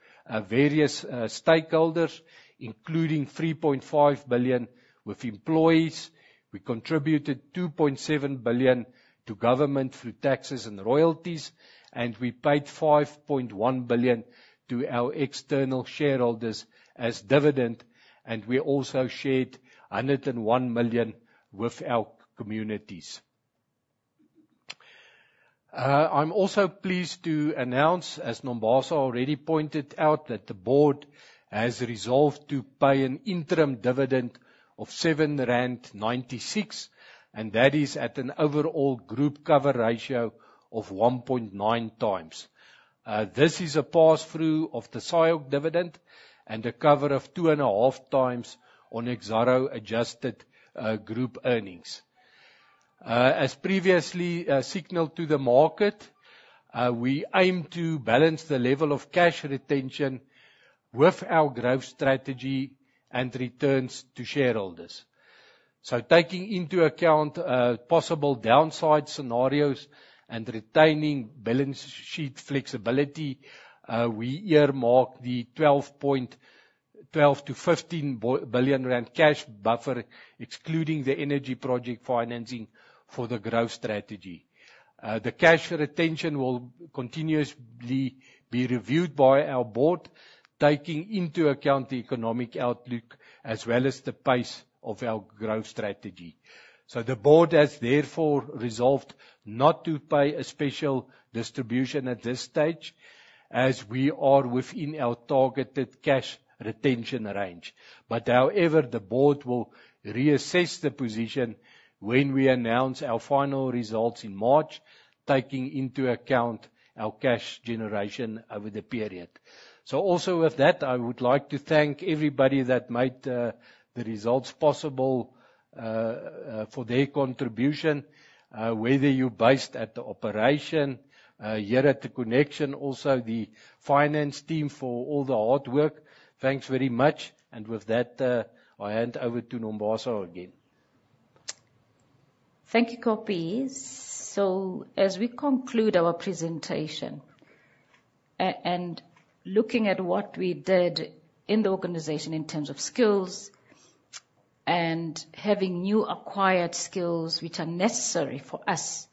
various stakeholders, including 3.5 billion with employees. We contributed 2.7 billion to government through taxes and royalties, and we paid 5.1 billion to our external shareholders as dividend, and we also shared 101 million with our communities. I'm also pleased to announce, as Nombasa already pointed out, that the board has resolved to pay an interim dividend of 7.96 rand, and that is at an overall group cover ratio of 1.9 times. This is a pass-through of the SIOC dividend and a cover of 2.5 times on Exxaro adjusted group earnings. As previously signaled to the market, we aim to balance the level of cash retention with our growth strategy and returns to shareholders. So taking into account possible downside scenarios and retaining balance sheet flexibility, we earmark the 12-15 billion rand cash buffer, excluding the energy project financing for the growth strategy. The cash retention will continuously be reviewed by our board, taking into account the economic outlook, as well as the pace of our growth strategy. So the board has therefore resolved not to pay a special distribution at this stage, as we are within our targeted cash retention range. But however, the board will reassess the position when we announce our final results in March, taking into account our cash generation over the period. So also with that, I would like to thank everybody that made the results possible for their contribution, whether you're based at the operation here at The ConneXXion, also the finance team for all the hard work. Thanks very much. And with that, I hand over to Nombasa again. Thank you, Kobie. So as we conclude our presentation, and looking at what we did in the organization in terms of skills and having new acquired skills which are necessary for us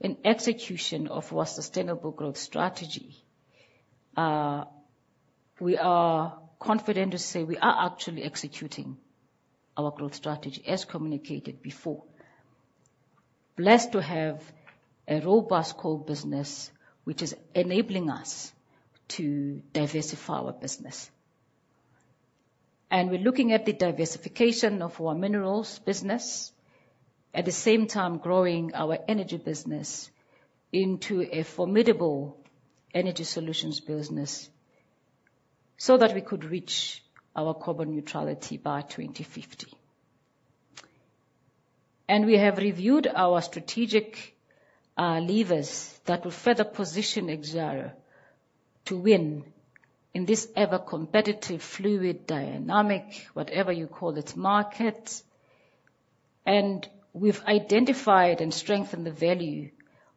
in execution of our sustainable growth strategy, we are confident to say we are actually executing our growth strategy as communicated before. Blessed to have a robust coal business, which is enabling us to diversify our business. We're looking at the diversification of our minerals business, at the same time growing our energy business into a formidable energy solutions business so that we could reach our carbon neutrality by 2050. We have reviewed our strategic levers that will further position Exxaro to win in this ever-competitive, fluid, dynamic, whatever you call it, market. We've identified and strengthened the value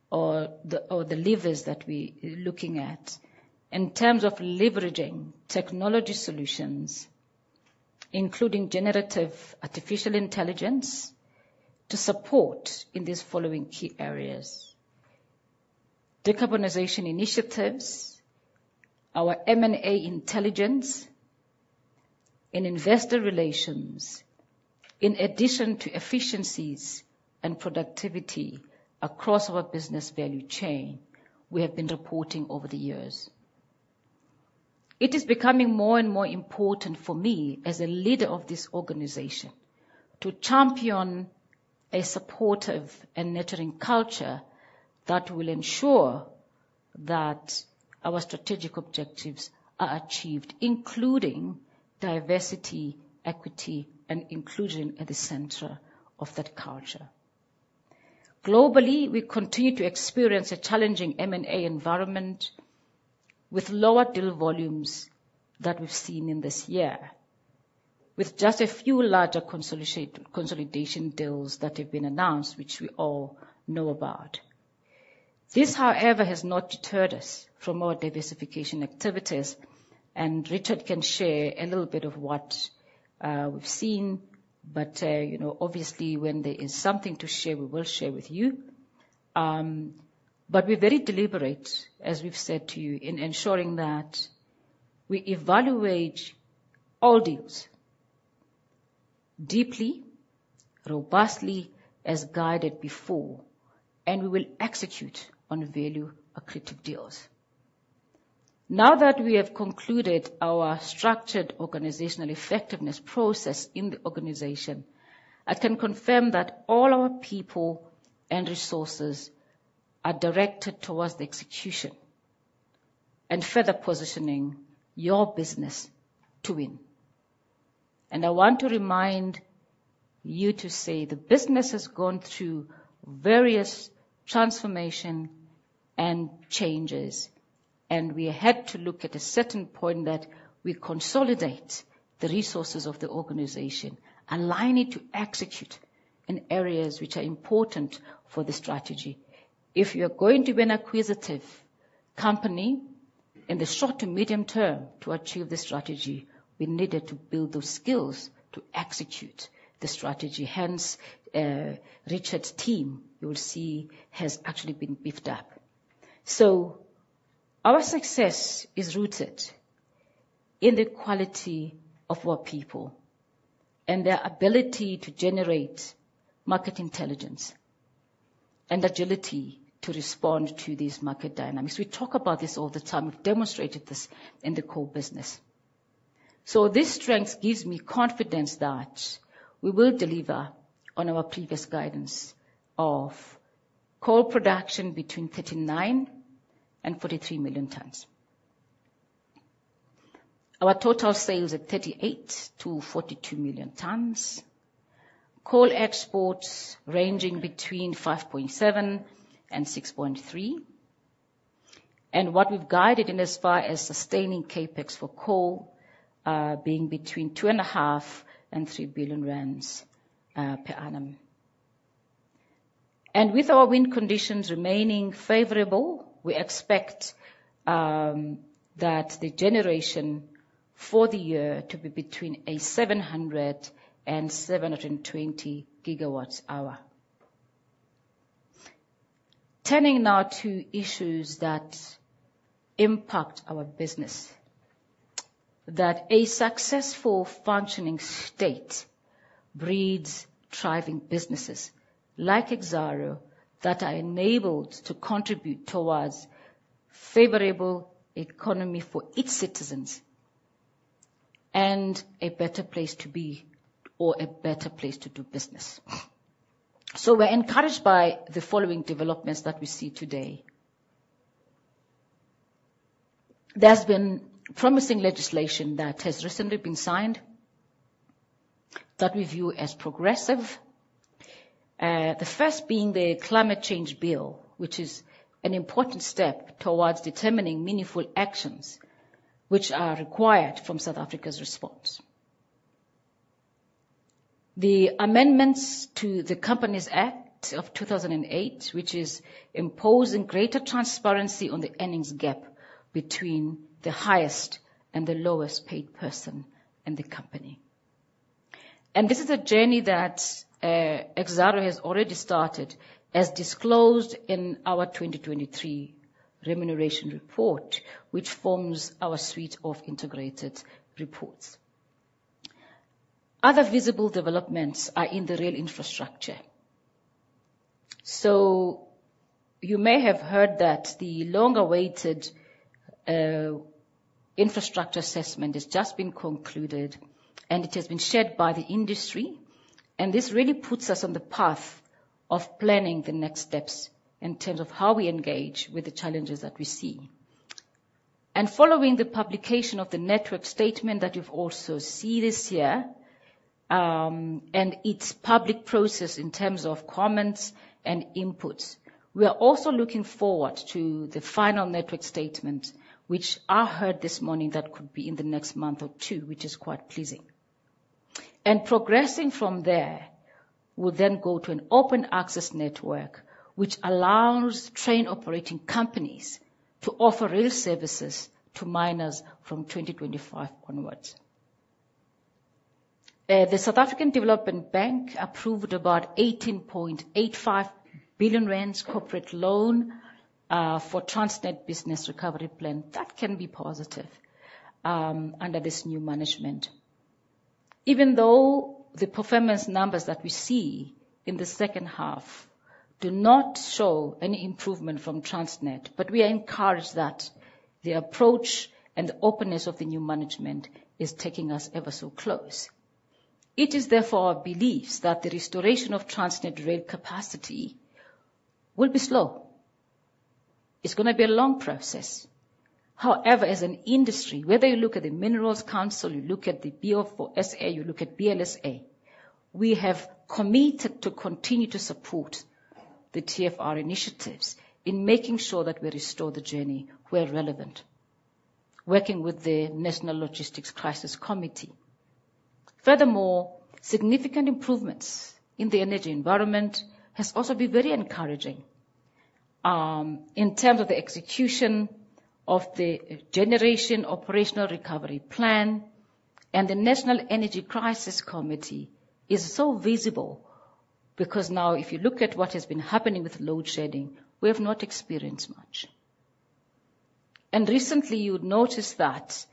or the, or the levers that we looking at in terms of leveraging technology solutions, including generative artificial intelligence, to support in these following key areas: decarbonization initiatives, our M&A intelligence and investor relations, in addition to efficiencies and productivity across our business value chain we have been reporting over the years. It is becoming more and more important for me, as a leader of this organization, to champion a supportive and nurturing culture that will ensure that our strategic objectives are achieved, including diversity, equity, and inclusion at the center of that culture. Globally, we continue to experience a challenging M&A environment, with lower deal volumes that we've seen in this year, with just a few larger consolidation deals that have been announced, which we all know about. This, however, has not deterred us from our diversification activities, and Richard can share a little bit of what we've seen, but, you know, obviously, when there is something to share, we will share with you. But we're very deliberate, as we've said to you, in ensuring that we evaluate all deals deeply, robustly, as guided before, and we will execute on value accretive deals. Now that we have concluded our structured organizational effectiveness process in the organization, I can confirm that all our people and resources are directed towards the execution and further positioning your business to win. And I want to remind you to say, the business has gone through various transformation and changes, and we had to look at a certain point that we consolidate the resources of the organization, align it to execute in areas which are important for the strategy. If you're going to be an acquisitive company in the short to medium term to achieve the strategy, we needed to build those skills to execute the strategy. Hence, Richard's team, you will see, has actually been beefed up. So our success is rooted in the quality of our people and their ability to generate market intelligence and agility to respond to these market dynamics. We talk about this all the time. We've demonstrated this in the core business. So this strength gives me confidence that we will deliver on our previous guidance of coal production between 39 and 43 million tons. Our total sales at 38-42 million tons, coal exports ranging between 5.7 and 6.3, and what we've guided in as far as sustaining CapEx for coal, being between 2.5 billion and 3 billion rand, per annum. And with our wind conditions remaining favorable, we expect that the generation for the year to be between 700 and 720 gigawatt-hours. Turning now to issues that impact our business, that a successful functioning state breeds thriving businesses like Exxaro, that are enabled to contribute towards favorable economy for its citizens and a better place to be or a better place to do business. So we're encouraged by the following developments that we see today. There's been promising legislation that has recently been signed that we view as progressive, the first being the Climate Change Bill, which is an important step towards determining meaningful actions which are required from South Africa's response. The amendments to the Companies Act of 2008, which is imposing greater transparency on the earnings gap between the highest and the lowest-paid person in the company. This is a journey that Exxaro has already started, as disclosed in our 2023 remuneration report, which forms our suite of integrated reports. Other visible developments are in the rail infrastructure. You may have heard that the long-awaited infrastructure assessment has just been concluded, and it has been shared by the industry, and this really puts us on the path of planning the next steps in terms of how we engage with the challenges that we see. Following the publication of the network statement that you've also see this year, and its public process in terms of comments and inputs, we are also looking forward to the final network statement, which I heard this morning, that could be in the next month or two, which is quite pleasing. And progressing from there, we'll then go to an open access network, which allows train operating companies to offer rail services to miners from 2025 onwards. The South African Development Bank approved about 18.85 billion rand corporate loan for Transnet business recovery plan. That can be positive under this new management. Even though the performance numbers that we see in the second half do not show any improvement from Transnet, but we are encouraged that the approach and the openness of the new management is taking us ever so close.... It is therefore our beliefs that the restoration of Transnet rail capacity will be slow. It's gonna be a long process. However, as an industry, whether you look at the Minerals Council, you look at the B4SA, you look at BLSA, we have committed to continue to support the TFR initiatives in making sure that we restore the journey where relevant, working with the National Logistics Crisis Committee. Furthermore, significant improvements in the energy environment has also been very encouraging, in terms of the execution of the generation operational recovery plan, and the National Energy Crisis Committee is so visible, because now if you look at what has been happening with load shedding, we have not experienced much. And recently, you would notice that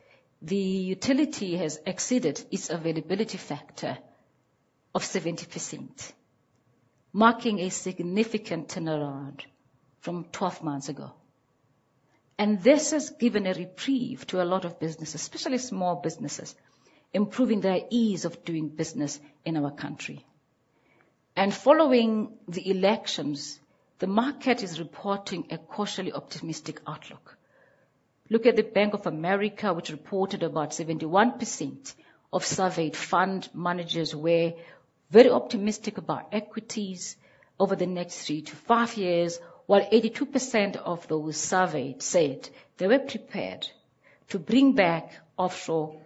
the utility has exceeded its availability factor of 70%, marking a significant turnaround from 12 months ago. And this has given a reprieve to a lot of businesses, especially small businesses, improving their ease of doing business in our country. Following the elections, the market is reporting a cautiously optimistic outlook. Look at the Bank of America, which reported about 71% of surveyed fund managers were very optimistic about equities over the next 3 to 5 years, while 82% of those surveyed said they were prepared to bring back offshore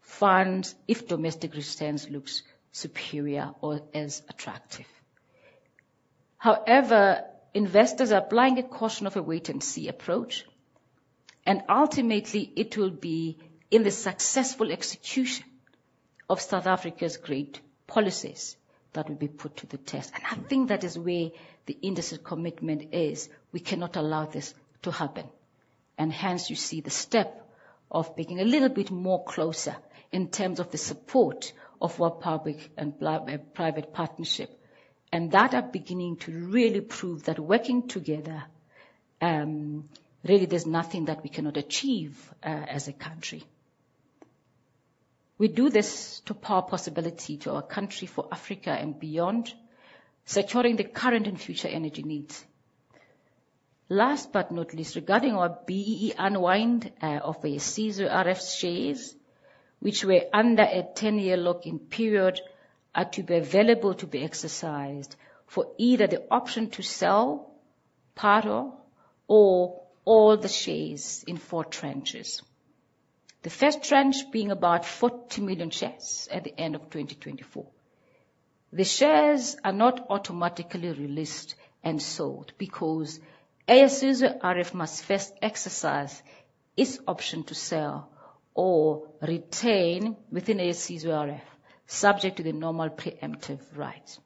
funds if domestic returns looks superior or as attractive. However, investors are applying a caution of a wait-and-see approach, and ultimately it will be in the successful execution of South Africa's great policies that will be put to the test. I think that is where the industry's commitment is. We cannot allow this to happen, and hence you see the step of being a little bit more closer in terms of the support of our public and private partnership, and that are beginning to really prove that working together, really, there's nothing that we cannot achieve as a country. We do this to power possibility to our country for Africa and beyond, securing the current and future energy needs. Last but not least, regarding our BEE unwind of the Eyesizwe RF shares, which were under a 10-year lock-in period, are to be available to be exercised for either the option to sell part or all the shares in 4 tranches. The first tranche being about 40 million shares at the end of 2024. The shares are not automatically released and sold, because Eyesizwe RF must first exercise its option to sell or retain within Eyesizwe RF, subject to the normal preemptive rights.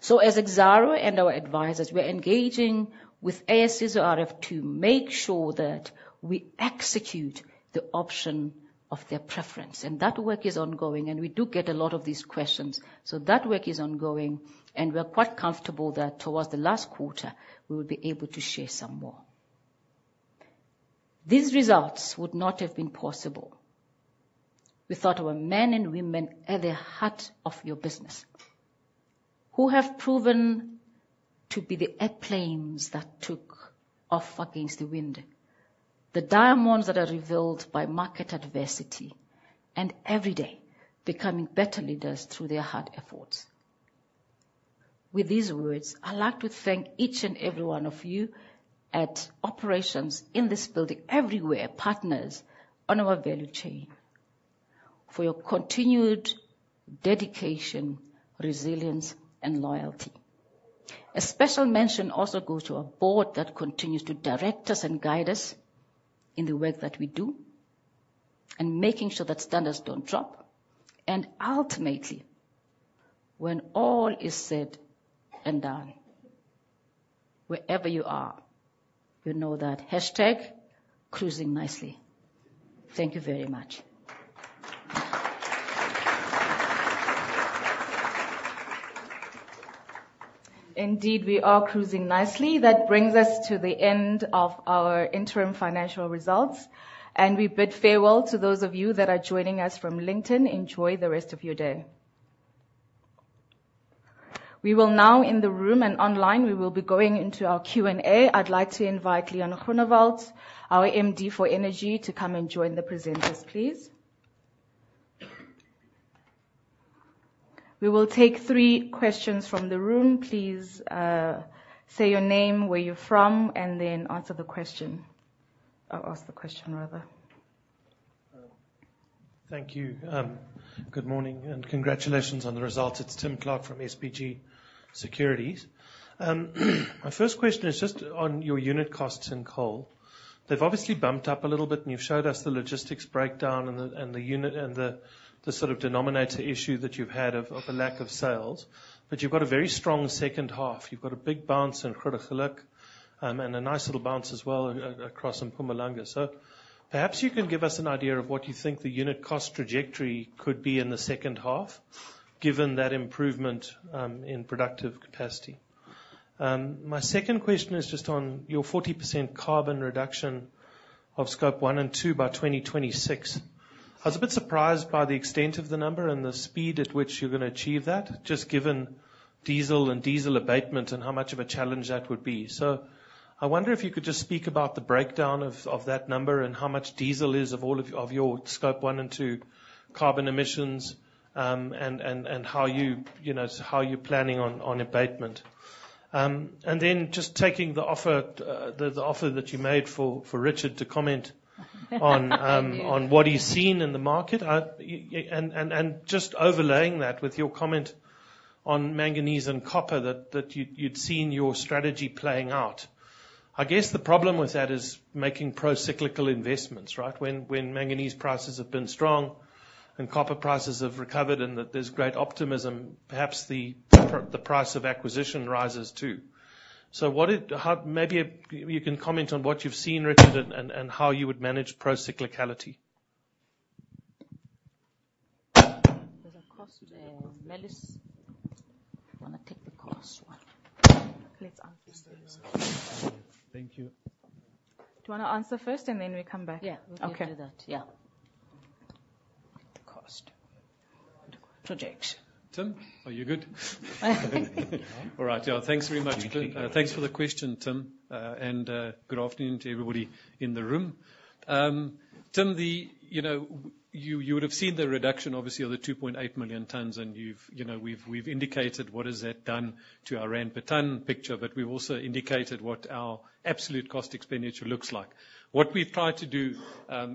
So as Exxaro and our advisors, we're engaging with Eyesizwe RF to make sure that we execute the option of their preference, and that work is ongoing, and we do get a lot of these questions. So that work is ongoing, and we're quite comfortable that towards the last quarter, we will be able to share some more. These results would not have been possible without our men and women at the heart of your business, who have proven to be the airplanes that took off against the wind, the diamonds that are revealed by market adversity, and every day becoming better leaders through their hard efforts. With these words, I'd like to thank each and every one of you at operations in this building, everywhere, partners on our value chain, for your continued dedication, resilience, and loyalty. A special mention also goes to our board that continues to direct us and guide us in the work that we do, and making sure that standards don't drop. Ultimately, when all is said and done, wherever you are, you know that hashtag cruising nicely. Thank you very much. Indeed, we are cruising nicely. That brings us to the end of our interim financial results, and we bid farewell to those of you that are joining us from LinkedIn. Enjoy the rest of your day. We will now, in the room and online, we will be going into our Q&A. I'd like to invite Leon Groenewald, our MD for energy, to come and join the presenters, please. We will take three questions from the room. Please, say your name, where you're from, and then answer the question. Ask the question, rather. Thank you. Good morning, and congratulations on the results. It's Tim Clark from SBG Securities. My first question is just on your unit costs in coal. They've obviously bumped up a little bit, and you've showed us the logistics breakdown and the unit and the sort of denominator issue that you've had of a lack of sales, but you've got a very strong second half. You've got a big bounce in Grootegeluk, and a nice little bounce as well across in Mpumalanga. So perhaps you can give us an idea of what you think the unit cost trajectory could be in the second half, given that improvement in productive capacity? My second question is just on your 40% carbon reduction of Scope 1 and 2 by 2026. I was a bit surprised by the extent of the number and the speed at which you're gonna achieve that, just given diesel and diesel abatement, and how much of a challenge that would be. So I wonder if you could just speak about the breakdown of that number, and how much diesel is of all of your Scope 1 and 2 carbon emissions. And how you, you know, how you're planning on abatement. And then just taking the offer that you made for Richard to comment on what he's seeing in the market. And just overlaying that with your comment on manganese and copper, that you'd seen your strategy playing out. I guess the problem with that is making procyclical investments, right? When manganese prices have been strong and copper prices have recovered, and that there's great optimism, perhaps the price of acquisition rises, too. So maybe you can comment on what you've seen, Richard, and how you would manage procyclicality? There's a cost there. Kgabi wants to take the cost one. Let's answer this. Thank you. Do you wanna answer first, and then we come back? Yeah. Okay. We can do that, yeah. The cost projects. Tim, are you good? All right. Yeah, thanks very much. Thanks for the question, Tim, and good afternoon to everybody in the room. Tim, You know, you, you would have seen the reduction, obviously, of the 2.8 million tons, and you've, you know, we've, we've indicated what has that done to our ZAR per ton picture, but we've also indicated what our absolute cost expenditure looks like. What we've tried to do,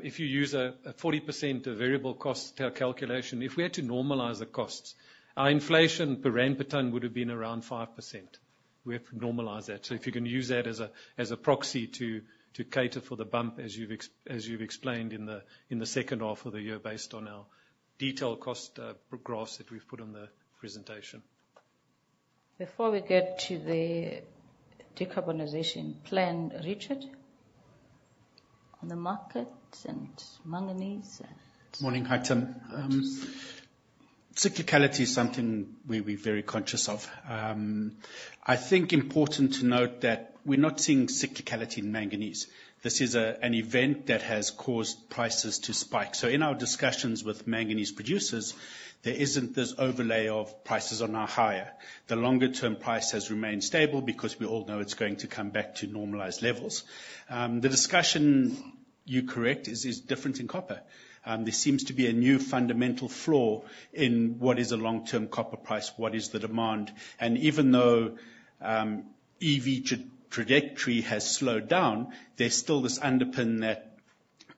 if you use a 40% variable cost calculation, if we were to normalize the costs, our inflation per ZAR per ton would have been around 5%. We have to normalize that. So if you can use that as a proxy to cater for the bump, as you've explained in the second half of the year, based on our detailed cost graphs that we've put on the presentation. Before we get to the decarbonization plan, Richard, on the markets and manganese and- Morning. Hi, Tim. Cyclicality is something we're, we're very conscious of. I think important to note that we're not seeing cyclicality in manganese. This is an event that has caused prices to spike. So in our discussions with manganese producers, there isn't this overlay of, "Prices are now higher." The longer-term price has remained stable because we all know it's going to come back to normalized levels. The discussion, you're correct, is, is different in copper. There seems to be a new fundamental flaw in what is the long-term copper price, what is the demand? And even though, EV trajectory has slowed down, there's still this underpin that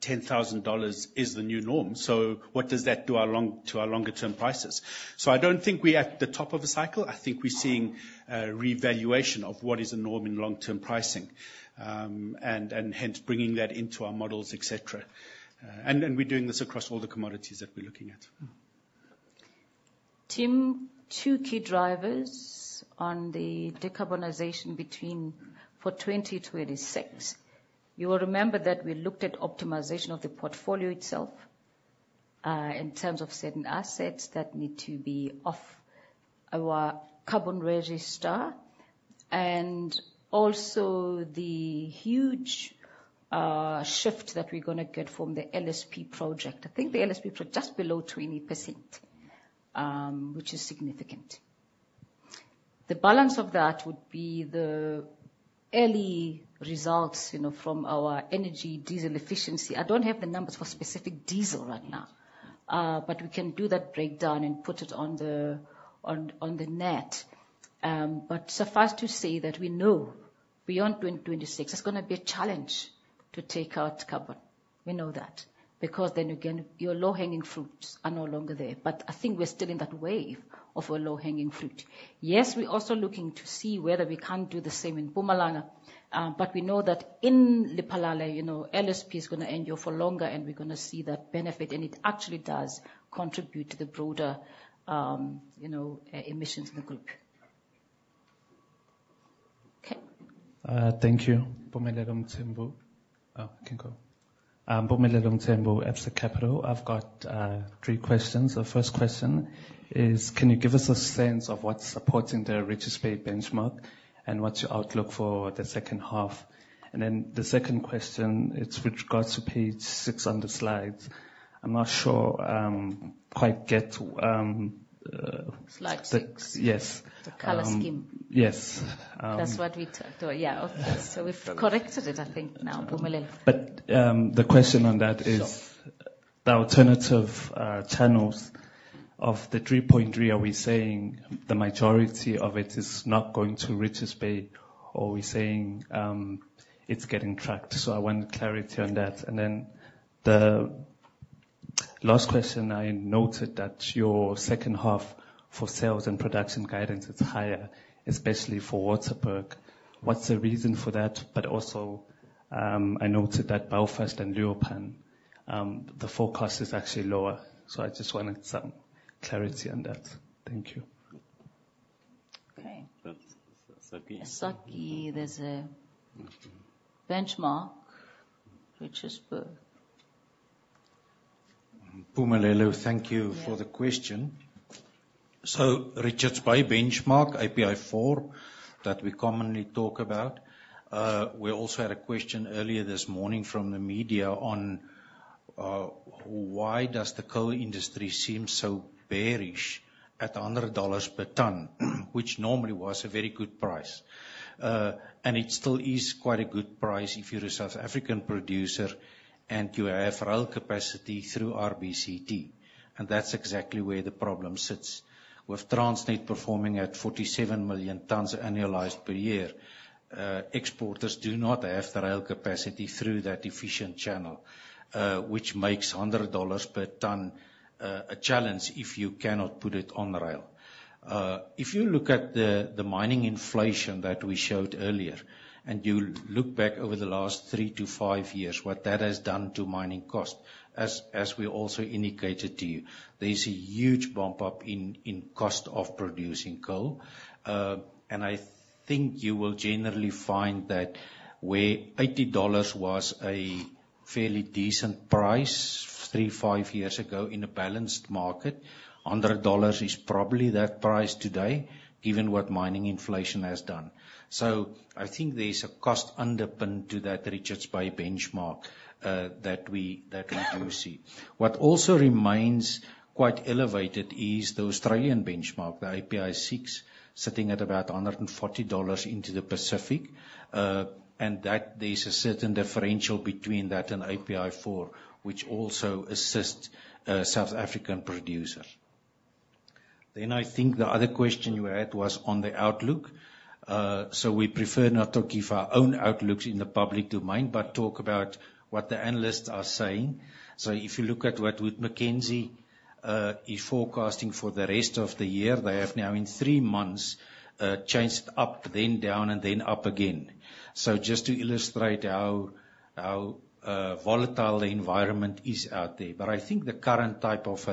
$10,000 is the new norm. So what does that do to our longer-term prices? So I don't think we're at the top of a cycle. I think we're seeing a revaluation of what is the norm in long-term pricing. And hence bringing that into our models, et cetera. And we're doing this across all the commodities that we're looking at. Tim, two key drivers on the decarbonization between for 2026. You will remember that we looked at optimization of the portfolio itself, in terms of certain assets that need to be off our carbon register, and also the huge shift that we're gonna get from the LSP project. I think the LSP project, just below 20%, which is significant. The balance of that would be the early results, you know, from our energy diesel efficiency. I don't have the numbers for specific diesel right now, but we can do that breakdown and put it on the net. But suffice to say that we know beyond 2026, it's gonna be a challenge to take out carbon. We know that, because then again, your low-hanging fruits are no longer there. I think we're still in that wave of low-hanging fruit. Yes, we're also looking to see whether we can't do the same in Mpumalanga, but we know that in Lephalale, you know, LSP is gonna endure for longer, and we're gonna see that benefit, and it actually does contribute to the broader, you know, emissions in the group. Okay. Thank you. Bonolo Motembu. Oh, you can go. Bonolo Motembu, Absa Capital. I've got three questions. The first question is, can you give us a sense of what's supporting the Richards Bay benchmark, and what's your outlook for the second half? And then the second question, it's with regards to page six on the slides. I'm not sure quite get. Slide six? Yes. The color scheme? Yes. Um- That's what we thought. Yeah. Okay. Yeah. We've corrected it, I think, now, Bonolo. But, the question on that is- Sure... the alternative channels of the 3.3, are we saying the majority of it is not going to Richards Bay, or we're saying, it's getting tracked? So I want clarity on that. And then the last question, I noted that your second half for sales and production guidance is higher, especially for Waterberg. What's the reason for that? But also, I noted that Belfast and Leeuwpan, the forecast is actually lower, so I just wanted some clarity on that. Thank you. Okay. That's Sakkie. Sakkie, there's a benchmark, Richards Bay.... Bonolo, thank you for the question. So Richards Bay benchmark, API 4, that we commonly talk about. We also had a question earlier this morning from the media on why does the coal industry seem so bearish at $100 per ton, which normally was a very good price. And it still is quite a good price if you're a South African producer and you have rail capacity through RBCT, and that's exactly where the problem sits. With Transnet performing at 47 million tons annualized per year, exporters do not have the rail capacity through that efficient channel, which makes $100 per ton a challenge if you cannot put it on the rail. If you look at the mining inflation that we showed earlier, and you look back over the last three to five years, what that has done to mining cost, as we also indicated to you, there is a huge bump up in cost of producing coal. And I think you will generally find that where $80 was a fairly decent price three to five years ago in a balanced market, $100 is probably that price today, even what mining inflation has done. So I think there's a cost underpin to that Richards Bay benchmark, that we do see. What also remains quite elevated is the Australian benchmark, the API 6, sitting at about $140 into the Pacific. And that there's a certain differential between that and API 4, which also assists South African producers. Then I think the other question you had was on the outlook. So we prefer not to give our own outlooks in the public domain, but talk about what the analysts are saying. So if you look at what Wood Mackenzie is forecasting for the rest of the year, they have now, in three months, changed up, then down, and then up again. So just to illustrate how volatile the environment is out there. But I think the current type of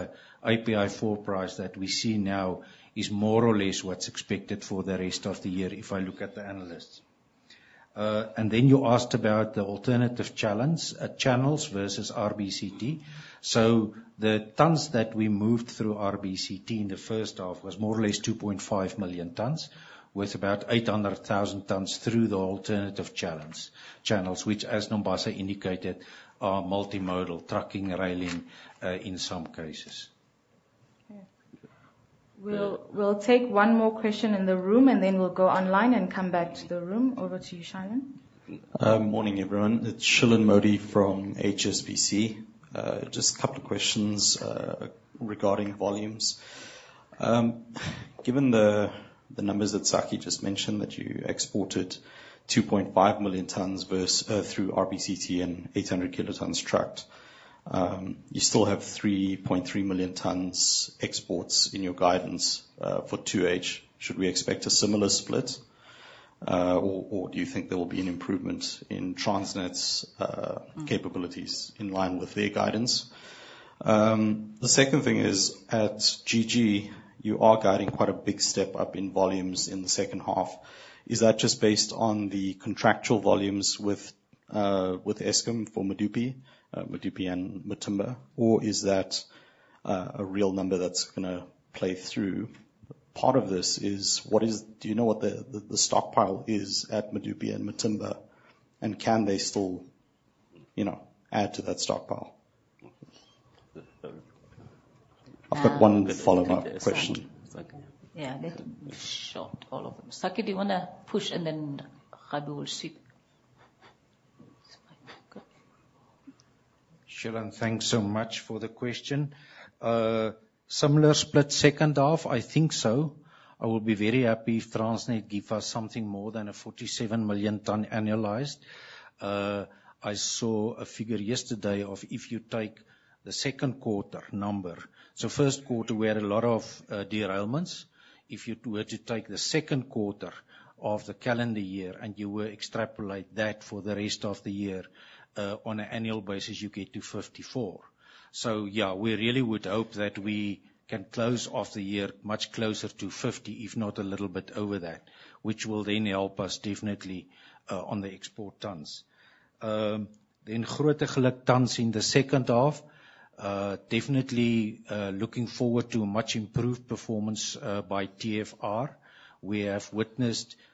API 4 price that we see now is more or less what's expected for the rest of the year, if I look at the analysts. And then you asked about the alternative channels versus RBCT. The tons that we moved through RBCT in the first half was more or less 2,500,000 tons, with about 800,000 tons through the alternative channels, which, as Nombasa indicated, are multimodal: trucking, rail, in some cases. Okay. We'll, we'll take one more question in the room, and then we'll go online and come back to the room. Over to you, Shailen. Morning, everyone. It's Shailen Mody from HSBC. Just a couple of questions regarding volumes. Given the numbers that Sakkie just mentioned, that you exported 2.5 million tons versus through RBCT and 800 kilotons trucked, you still have 3.3 million tons exports in your guidance for 2H. Should we expect a similar split? Or do you think there will be an improvement in Transnet's capabilities in line with their guidance? The second thing is, at GG, you are guiding quite a big step-up in volumes in the second half. Is that just based on the contractual volumes with Eskom for Medupi and Matimba, or is that a real number that's gonna play through? Part of this is, do you know what the stockpile is at Medupi and Matimba, and can they still, you know, add to that stockpile? I've got one follow-up question. Yeah, let me short all of them. Sakkie, do you wanna push, and then Rado will see. It's fine. Okay. Shailen, thanks so much for the question. Similar split second half? I think so. I will be very happy if Transnet give us something more than a 47 million ton annualized. I saw a figure yesterday of if you take the second quarter number. So first quarter, we had a lot of derailments. If you were to take the second quarter of the calendar year, and you will extrapolate that for the rest of the year, on an annual basis, you get to 54. So yeah, we really would hope that we can close off the year much closer to 50, if not a little bit over that, which will then help us definitely on the export tons. Then Grootegeluk tons in the second half, definitely looking forward to a much improved performance by TFR. We have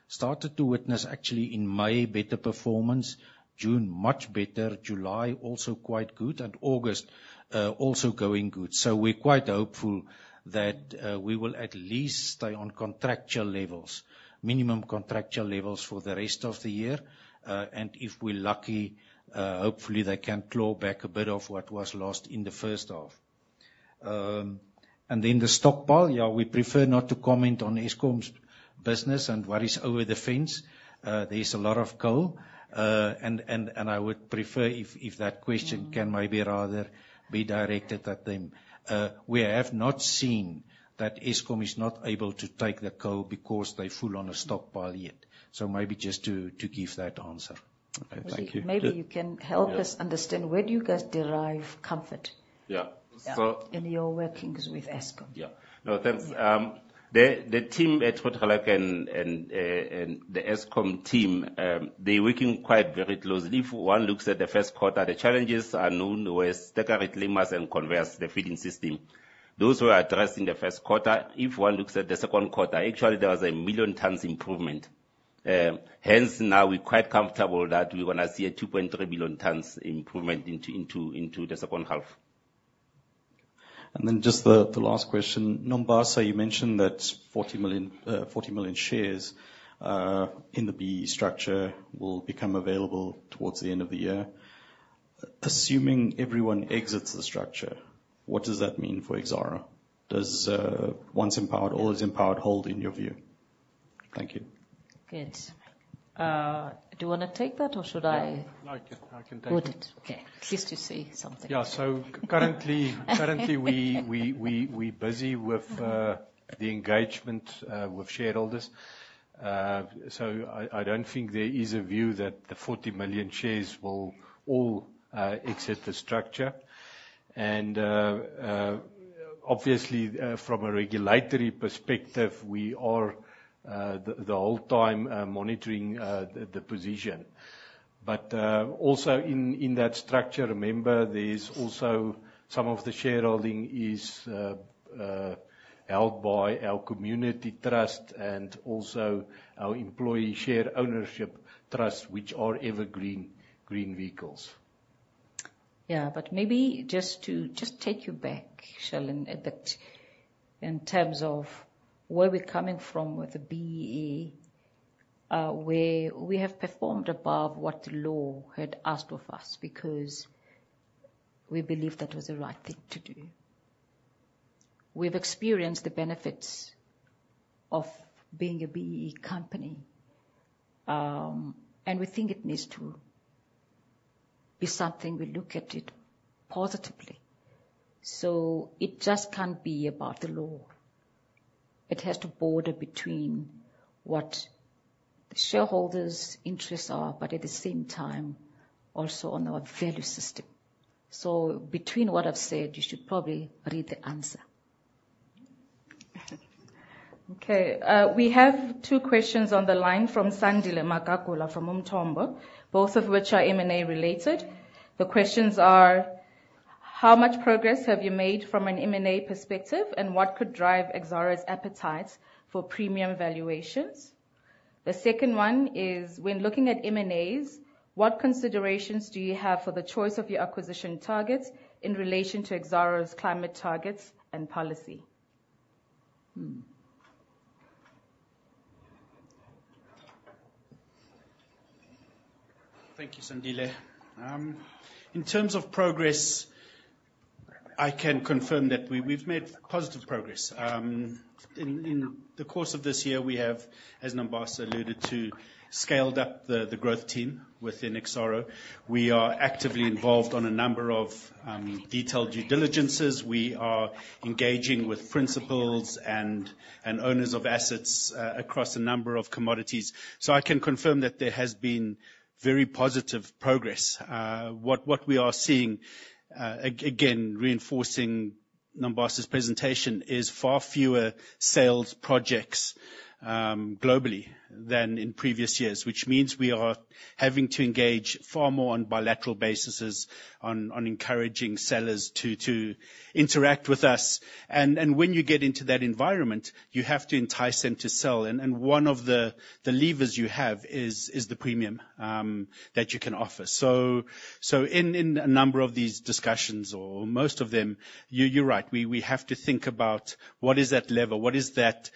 started to witness, actually, in May, better performance, June, much better, July, also quite good, and August, also going good. So we're quite hopeful that we will at least stay on contractual levels, minimum contractual levels for the rest of the year. And if we're lucky, hopefully they can claw back a bit of what was lost in the first half. And then the stockpile, yeah, we prefer not to comment on Eskom's business and what is over the fence. There is a lot of coal. And I would prefer if that question can maybe rather be directed at them. We have not seen that Eskom is not able to take the coal because they're full on a stockpile yet. So maybe just to give that answer.... Maybe you can help us understand, where do you guys derive comfort? Yeah, so- In your workings with Eskom? Yeah. No, thanks. The team at Grootegeluk and the Eskom team, they're working quite very closely. If one looks at the first quarter, the challenges are known with stacker reclaims and conveyors, the feeding system. Those were addressed in the first quarter. If one looks at the second quarter, actually, there was 1 million tons improvement. Hence, now we're quite comfortable that we're gonna see a 2.3 billion tons improvement into the second half. Then just the last question. Nombasa, you mentioned that 40 million shares in the BEE structure will become available towards the end of the year. Assuming everyone exits the structure, what does that mean for Exxaro? Does once empowered, always empowered, hold, in your view? Thank you. Yes. Do you wanna take that, or should I- No, I can, I can take it. Go with it. Okay. At least you say something. Yeah, so currently, we busy with the engagement with shareholders. So I don't think there is a view that the 40 million shares will all exit the structure. And obviously, from a regulatory perspective, we are the whole time monitoring the position. But also in that structure, remember, there's also some of the shareholding is held by our community trust and also our employee share ownership trust, which are evergreen green vehicles. Yeah, but maybe just to take you back, Sheldon, a bit, in terms of where we're coming from with the BEE, where we have performed above what the law had asked of us, because we believed that was the right thing to do. We've experienced the benefits of being a BEE company, and we think it needs to be something we look at it positively. So it just can't be about the law. It has to border between what the shareholders' interests are, but at the same time, also on our value system. So between what I've said, you should probably read the answer. Okay, we have two questions on the line from Sandile Magagula, from Umthombo, both of which are M&A related. The questions are: How much progress have you made from an M&A perspective, and what could drive Exxaro's appetite for premium valuations? The second one is: When looking at M&As, what considerations do you have for the choice of your acquisition targets in relation to Exxaro's climate targets and policy? Hmm. Thank you, Sandile. In terms of progress, I can confirm that we, we've made positive progress. In the course of this year, we have, as Nombasa alluded to, scaled up the growth team within Exxaro. We are actively involved on a number of detailed due diligences. We are engaging with principals and owners of assets across a number of commodities. So I can confirm that there has been very positive progress. What we are seeing, again, reinforcing Nombasa's presentation, is far fewer sales projects globally than in previous years, which means we are having to engage far more on bilateral bases on encouraging sellers to interact with us. When you get into that environment, you have to entice them to sell, and one of the levers you have is the premium that you can offer. So in a number of these discussions, or most of them, you're right, we have to think about what is that level, what is that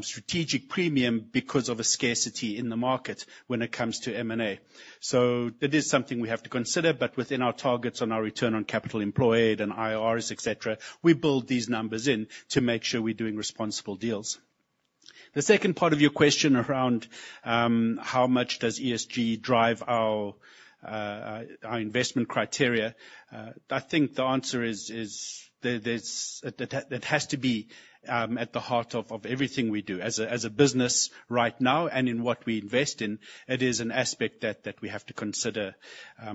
strategic premium because of a scarcity in the market when it comes to M&A. So it is something we have to consider, but within our targets on our return on capital employed and IRRs, et cetera, we build these numbers in to make sure we're doing responsible deals. The second part of your question around how much does ESG drive our investment criteria, I think the answer is there's... That has to be at the heart of everything we do. As a business right now and in what we invest in, it is an aspect that we have to consider.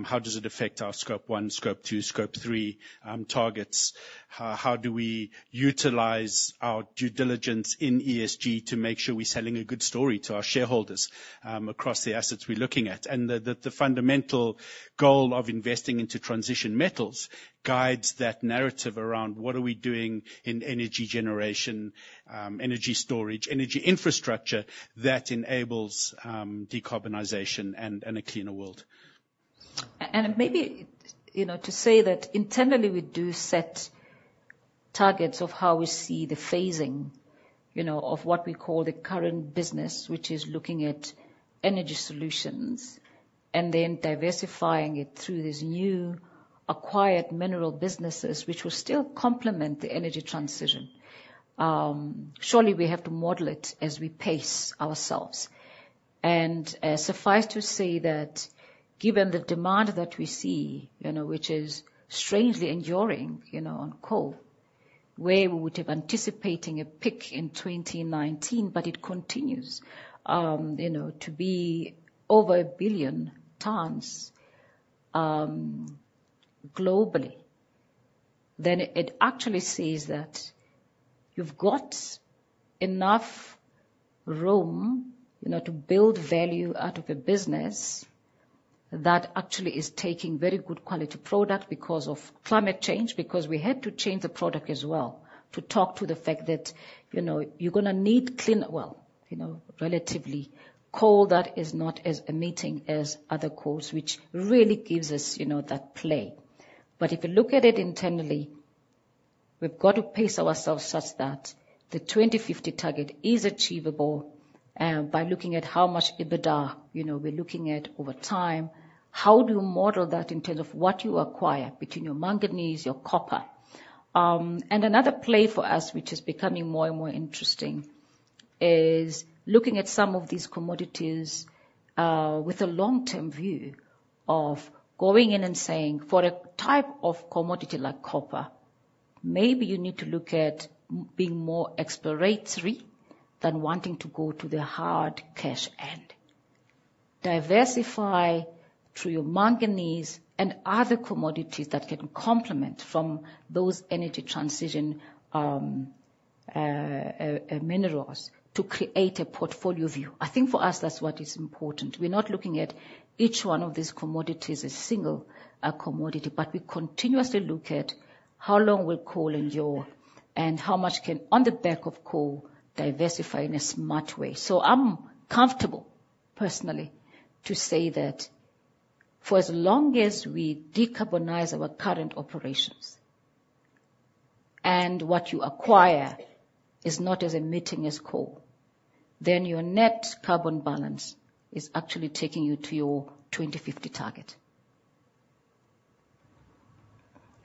How does it affect our scope one, scope two, scope three targets? How do we utilize our due diligence in ESG to make sure we're selling a good story to our shareholders across the assets we're looking at? And the fundamental goal of investing into transition metals guides that narrative around what are we doing in energy generation, energy storage, energy infrastructure that enables decarbonization and a cleaner world. And maybe, you know, to say that internally, we do set targets of how we see the phasing, you know, of what we call the current business, which is looking at energy solutions and then diversifying it through these new acquired mineral businesses, which will still complement the energy transition. Surely, we have to model it as we pace ourselves. Suffice to say that given the demand that we see, you know, which is strangely enduring, you know, on coal where we would have anticipating a peak in 2019, but it continues, you know, to be over 1 billion tons globally. Then it actually says that you've got enough room, you know, to build value out of a business that actually is taking very good quality product because of climate change, because we had to change the product as well, to talk to the fact that, you know, you're gonna need clean, well, you know, relatively, coal that is not as emitting as other coals, which really gives us, you know, that play. But if you look at it internally, we've got to pace ourselves such that the 2050 target is achievable, by looking at how much EBITDA, you know, we're looking at over time. How do you model that in terms of what you acquire between your manganese, your copper? And another play for us, which is becoming more and more interesting, is looking at some of these commodities with a long-term view of going in and saying, for a type of commodity like copper, maybe you need to look at being more exploratory than wanting to go to the hard cash end. Diversify through your manganese and other commodities that can complement from those energy transition minerals, to create a portfolio view. I think for us, that's what is important. We're not looking at each one of these commodities as single commodity, but we continuously look at how long will coal endure and how much can, on the back of coal, diversify in a smart way. So I'm comfortable, personally, to say that for as long as we decarbonize our current operations, and what you acquire is not as emitting as coal, then your net carbon balance is actually taking you to your 2050 target.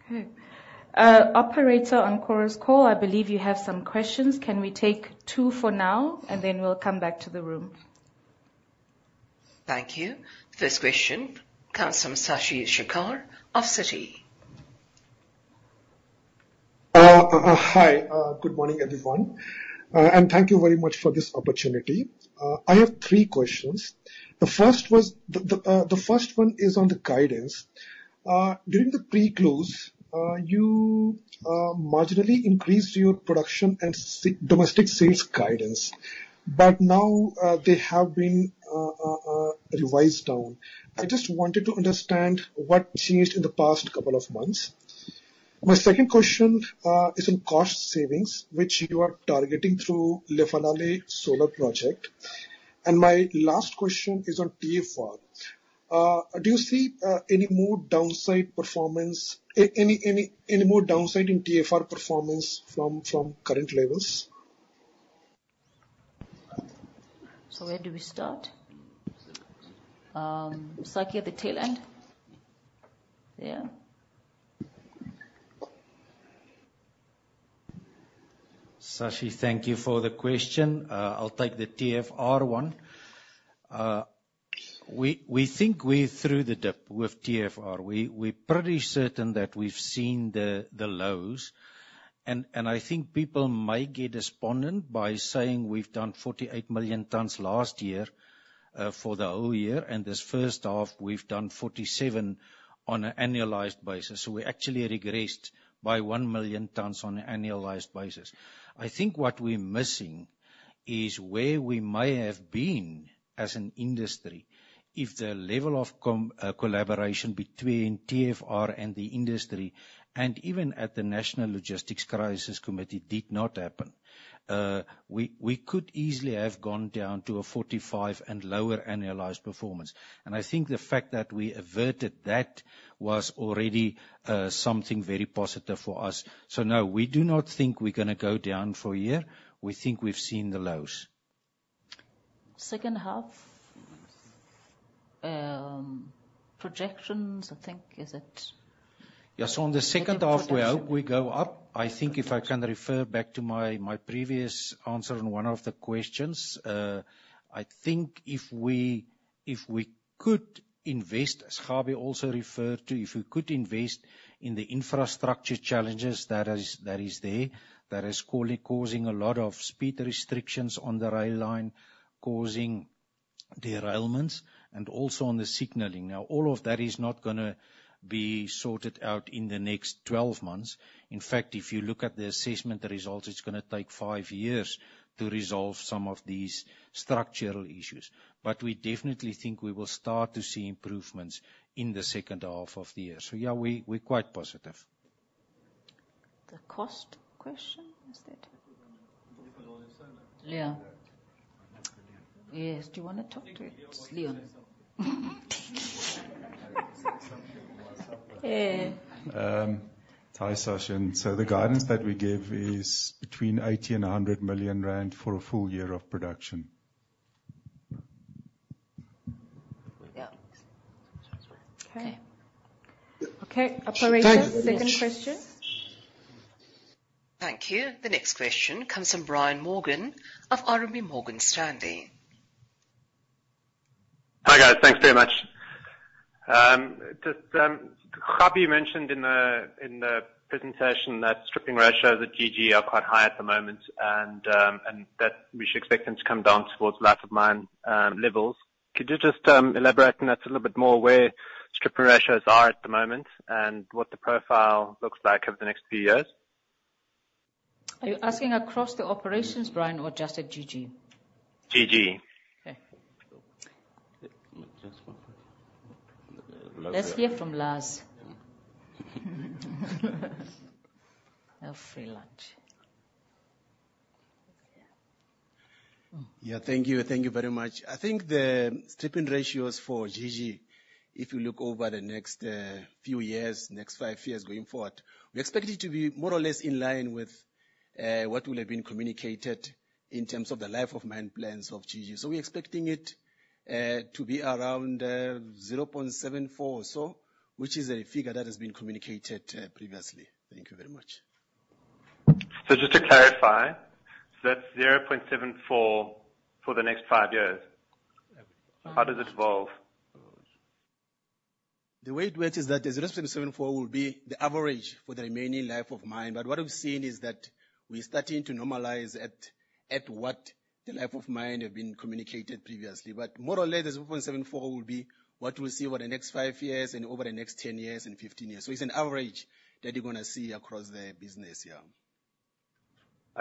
Okay. Operator, on Chorus Call, I believe you have some questions. Can we take two for now, and then we'll come back to the room? Thank you. First question, comes from Shashi Shekhar of Citi. Hi. Good morning, everyone, and thank you very much for this opportunity. I have three questions. The first one is on the guidance. During the pre-close, you marginally increased your production and domestic sales guidance, but now they have been revised down. I just wanted to understand what changed in the past couple of months. My second question is in cost savings, which you are targeting through Lephalale Solar Project. And my last question is on TFR. Do you see any more downside performance, any more downside in TFR performance from current levels? So where do we start? Sakkie, at the tail end. Yeah. Shashi, thank you for the question. I'll take the TFR one. We think we're through the dip with TFR. We're pretty certain that we've seen the lows, and I think people may get despondent by saying we've done 48 million tons last year, for the whole year, and this first half, we've done 47 on an annualized basis. So we actually regressed by 1 million tons on an annualized basis. I think what we're missing is where we may have been as an industry if the level of collaboration between TFR and the industry, and even at the National Logistics Crisis Committee, did not happen. We could easily have gone down to a 45 and lower annualized performance. I think the fact that we averted that was already something very positive for us. So, no, we do not think we're gonna go down for a year. We think we've seen the lows. Second half, projections, I think, is it? Yes. So on the second half, we hope we go up. I think if I can refer back to my, my previous answer on one of the questions, I think if we, if we could invest, as Kgabi also referred to, if we could invest in the infrastructure challenges that is, that is causing a lot of speed restrictions on the rail line, causing derailments, and also on the signaling. Now, all of that is not gonna be sorted out in the next 12 months. In fact, if you look at the assessment results, it's gonna take 5 years to resolve some of these structural issues. But we definitely think we will start to see improvements in the second half of the year. So yeah, we, we're quite positive. The cost question, is that- Yeah. Yes. Do you wanna talk to it, Leon? Hi, Shashi. The guidance that we gave is between 80 million and 100 million rand for a full year of production. Yeah. Okay. Okay. Operator, second question. Thank you. The next question comes from Brian Morgan of RMB Morgan Stanley. ...Thank you very much. Just, Bobby, you mentioned in the presentation that stripping ratios at GG are quite high at the moment, and that we should expect them to come down towards life of mine levels. Could you just elaborate on that a little bit more, where stripping ratios are at the moment, and what the profile looks like over the next few years? Are you asking across the operations, Brian, or just at GG? GG. Okay. Just one second. Let's hear from Lazarus. No free lunch. Yeah. Thank you, thank you very much. I think the stripping ratios for GG, if you look over the next few years, next 5 years going forward, we expect it to be more or less in line with what will have been communicated in terms of the life of mine plans of GG. So we're expecting it to be around 0.74 or so, which is a figure that has been communicated previously. Thank you very much. So just to clarify, so that's 0.74 for the next five years? Yeah. How does it evolve? The way it works is that the 0.74 will be the average for the remaining life of mine. But what I've seen is that we're starting to normalize at what the life of mine have been communicated previously. But more or less, the 0.74 will be what we'll see over the next 5 years and over the next 10 years and 15 years. So it's an average that you're gonna see across the business. Yeah.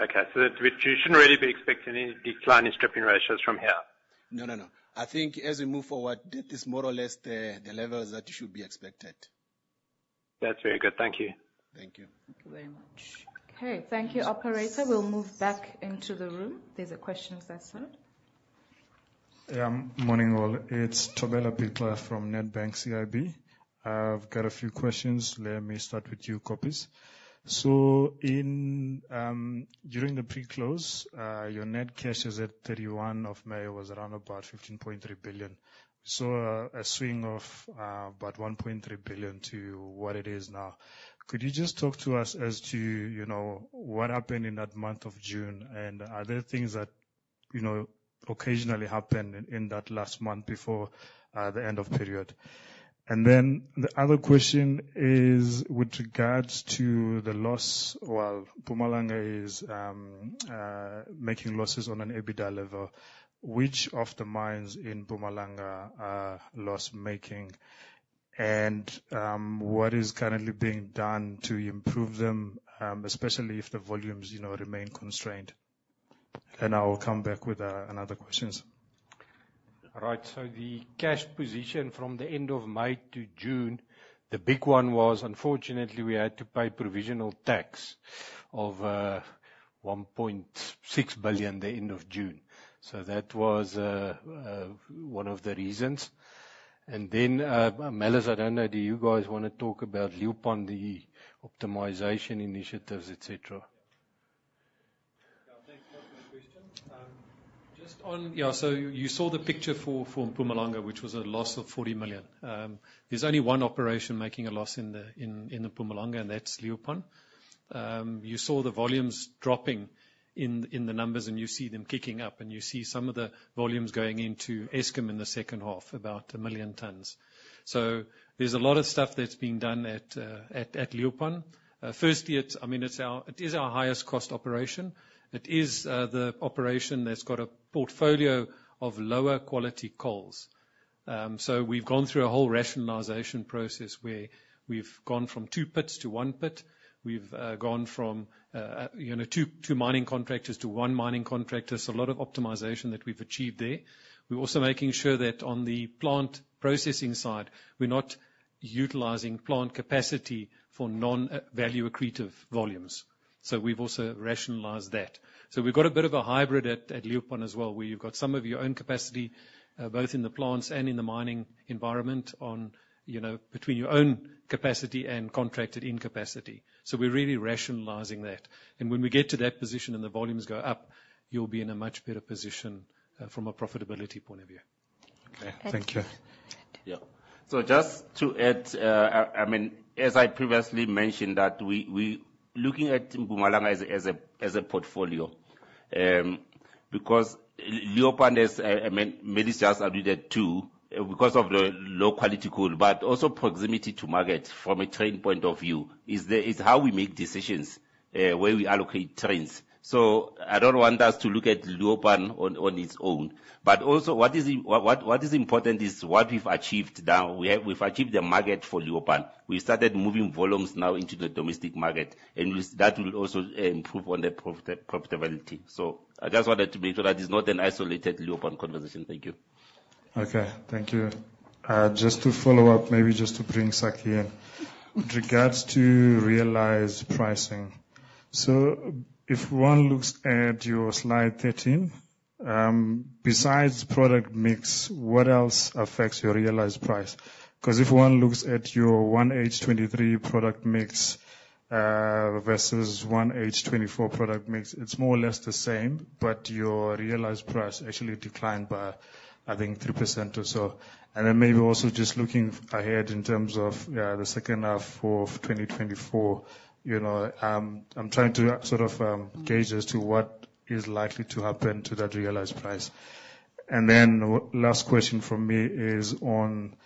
Okay, so that you shouldn't really be expecting any decline in stripping ratios from here? No, no, no. I think as we move forward, that is more or less the, the levels that should be expected. That's very good. Thank you. Thank you. Thank you very much. Okay, thank you, operator. We'll move back into the room. There's a question at that side. Yeah, morning, all. It's Thobela Bikitsha from Nedbank CIB. I've got a few questions. Let me start with you, Koppeschaar. So in during the pre-close, your net cash as at 31 May was around about 15.3 billion. So a swing of about 1.3 billion to what it is now. Could you just talk to us as to, you know, what happened in that month of June? And are there things that, you know, occasionally happen in that last month before the end of period? And then the other question is with regards to the loss, while Mpumalanga is making losses on an EBITDA level, which of the mines in Mpumalanga are loss-making? And what is currently being done to improve them, especially if the volumes, you know, remain constrained? I will come back with another questions. Right. So the cash position from the end of May to June, the big one was unfortunately, we had to pay provisional tax of 1.6 billion, the end of June. So that was one of the reasons. And then, Kgabi, I don't know, do you guys wanna talk about Leeuwpan, the optimization initiatives, et cetera? Yeah, thanks for the question. Just on-- Yeah, so you saw the picture for Mpumalanga, which was a loss of 40 million. There's only one operation making a loss in the Mpumalanga, and that's Leeuwpan. You saw the volumes dropping in the numbers, and you see them kicking up, and you see some of the volumes going into Eskom in the second half, about 1 million tons. So there's a lot of stuff that's being done at Leeuwpan. Firstly, it's, I mean, it's our-- it is our highest cost operation. It is the operation that's got a portfolio of lower quality coals. So we've gone through a whole rationalization process, where we've gone from 2 pits to 1 pit. We've gone from, you know, 2 mining contractors to 1 mining contractor. So a lot of optimization that we've achieved there. We're also making sure that on the plant processing side, we're not utilizing plant capacity for non-value accretive volumes. So we've also rationalized that. So we've got a bit of a hybrid at Leeuwpan as well, where you've got some of your own capacity, both in the plants and in the mining environment, you know, between your own capacity and contracted incapacity. So we're really rationalizing that. And when we get to that position and the volumes go up, you'll be in a much better position from a profitability point of view. Okay. Thank you. Yeah. So just to add, I mean, as I previously mentioned, that we looking at Mpumalanga as a portfolio, because Leeuwpan is, I mean, Kgabi just alluded to, because of the low quality coal, but also proximity to market from a train point of view, it's how we make decisions, where we allocate trains. So I don't want us to look at Leeuwpan on its own. But also, what is what is important is what we've achieved now. We have we've achieved the market for Leeuwpan. We started moving volumes now into the domestic market, and that will also improve on the profitability. So I just wanted to make sure that is not an isolated Leeuwpan conversation. Thank you. Okay. Thank you. Just to follow up, maybe just to bring Sakkie here. With regards to realized pricing, so if one looks at your slide 13, besides product mix, what else affects your realized price? 'Cause if one looks at your 1H 2023 product mix versus 1H 2024 product mix, it's more or less the same, but your realized price actually declined by, I think, 3% or so. And then maybe also just looking ahead in terms of the second half of 2024, you know, I'm trying to sort of gauge as to what is likely to happen to that realized price. And then last question from me is on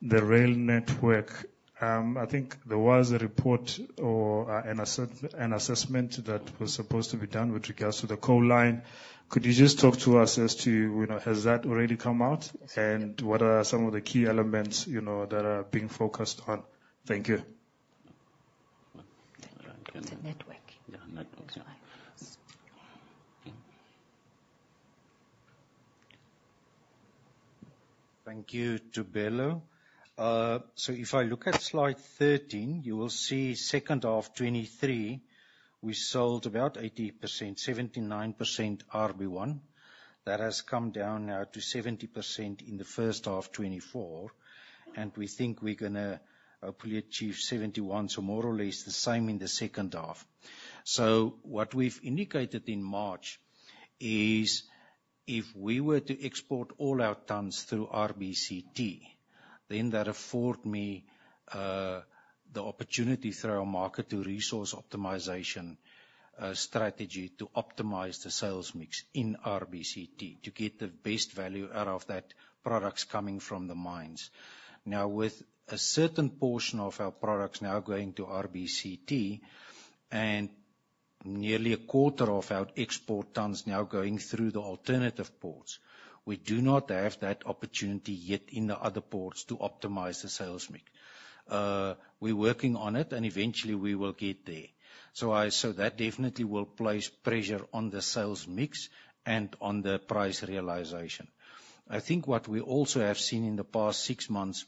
the rail network. I think there was a report or an assessment that was supposed to be done with regards to the coal line. Could you just talk to us as to, you know, has that already come out? And what are some of the key elements, you know, that are being focused on? Thank you. Thank you. It's a network. Yeah, network. That's right. Thank you to Bello. So if I look at slide 13, you will see second half 2023, we sold about 80%, 79% RB1. That has come down now to 70% in the first half 2024, and we think we're gonna probably achieve 71%, so more or less the same in the second half. So what we've indicated in March is, if we were to export all our tons through RBCT, then that afford me the opportunity through our Market-to-Resource Optimization strategy, to optimize the sales mix in RBCT to get the best value out of that products coming from the mines. Now, with a certain portion of our products now going to RBCT, and nearly a quarter of our export tons now going through the alternative ports, we do not have that opportunity yet in the other ports to optimize the sales mix. We're working on it, and eventually, we will get there. So that definitely will place pressure on the sales mix and on the price realization. I think what we also have seen in the past six months,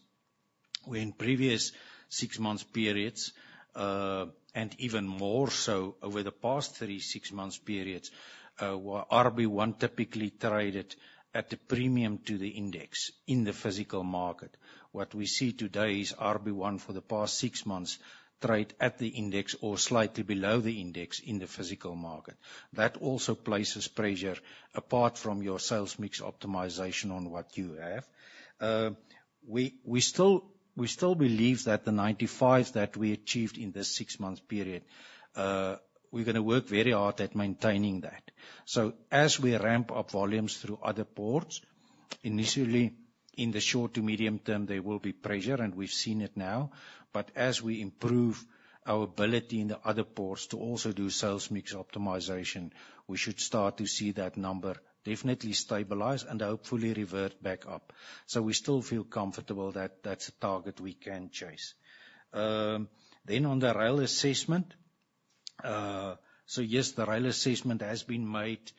where in previous six-month periods, and even more so over the past three six-month periods, where RB1 typically traded at a premium to the index in the physical market. What we see today is RB1, for the past six months, trade at the index or slightly below the index in the physical market. That also places pressure, apart from your sales mix optimization on what you have. We still believe that the 95 that we achieved in this six-month period. We're gonna work very hard at maintaining that. So as we ramp up volumes through other ports, initially, in the short to medium term, there will be pressure, and we've seen it now. But as we improve our ability in the other ports to also do sales mix optimization, we should start to see that number definitely stabilize and hopefully revert back up. So we still feel comfortable that that's a target we can chase. Then, on the rail assessment, so yes, the rail assessment has been made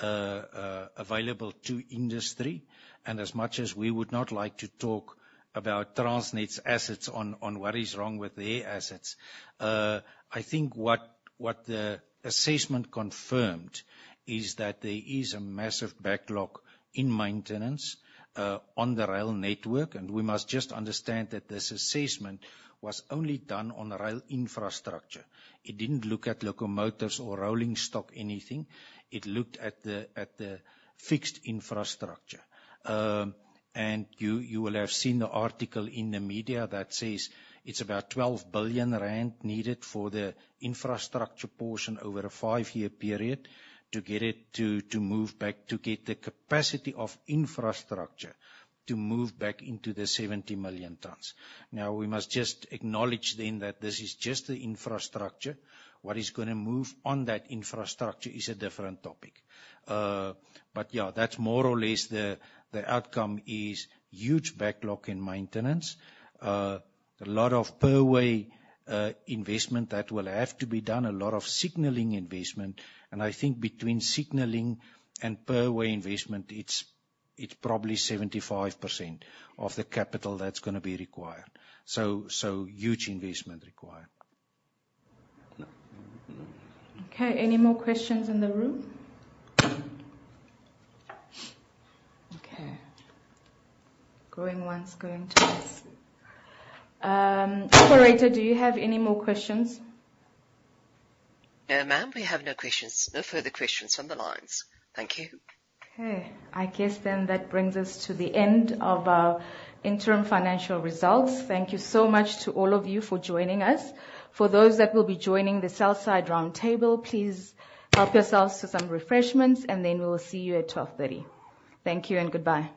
available to industry, and as much as we would not like to talk about Transnet's assets on what is wrong with their assets. I think what the assessment confirmed is that there is a massive backlog in maintenance on the rail network, and we must just understand that this assessment was only done on rail infrastructure. It didn't look at locomotives or rolling stock, anything. It looked at the fixed infrastructure. And you will have seen the article in the media that says it's about 12 billion rand needed for the infrastructure portion over a 5-year period to get it to move back, to get the capacity of infrastructure to move back into the 70 million tonnes. Now, we must just acknowledge then that this is just the infrastructure. What is gonna move on that infrastructure is a different topic. But yeah, that's more or less the outcome is huge backlog in maintenance, a lot of perway investment that will have to be done, a lot of signaling investment. And I think between signaling and perway investment, it's probably 75% of the capital that's gonna be required. So huge investment required. Okay, any more questions in the room? Okay. Going once, going twice. Operator, do you have any more questions? No, ma'am, we have no questions. No further questions on the lines. Thank you. Okay. I guess then that brings us to the end of our interim financial results. Thank you so much to all of you for joining us. For those that will be joining the South Side Round Table, please help yourselves to some refreshments, and then we will see you at 12:30 P.M. Thank you and goodbye.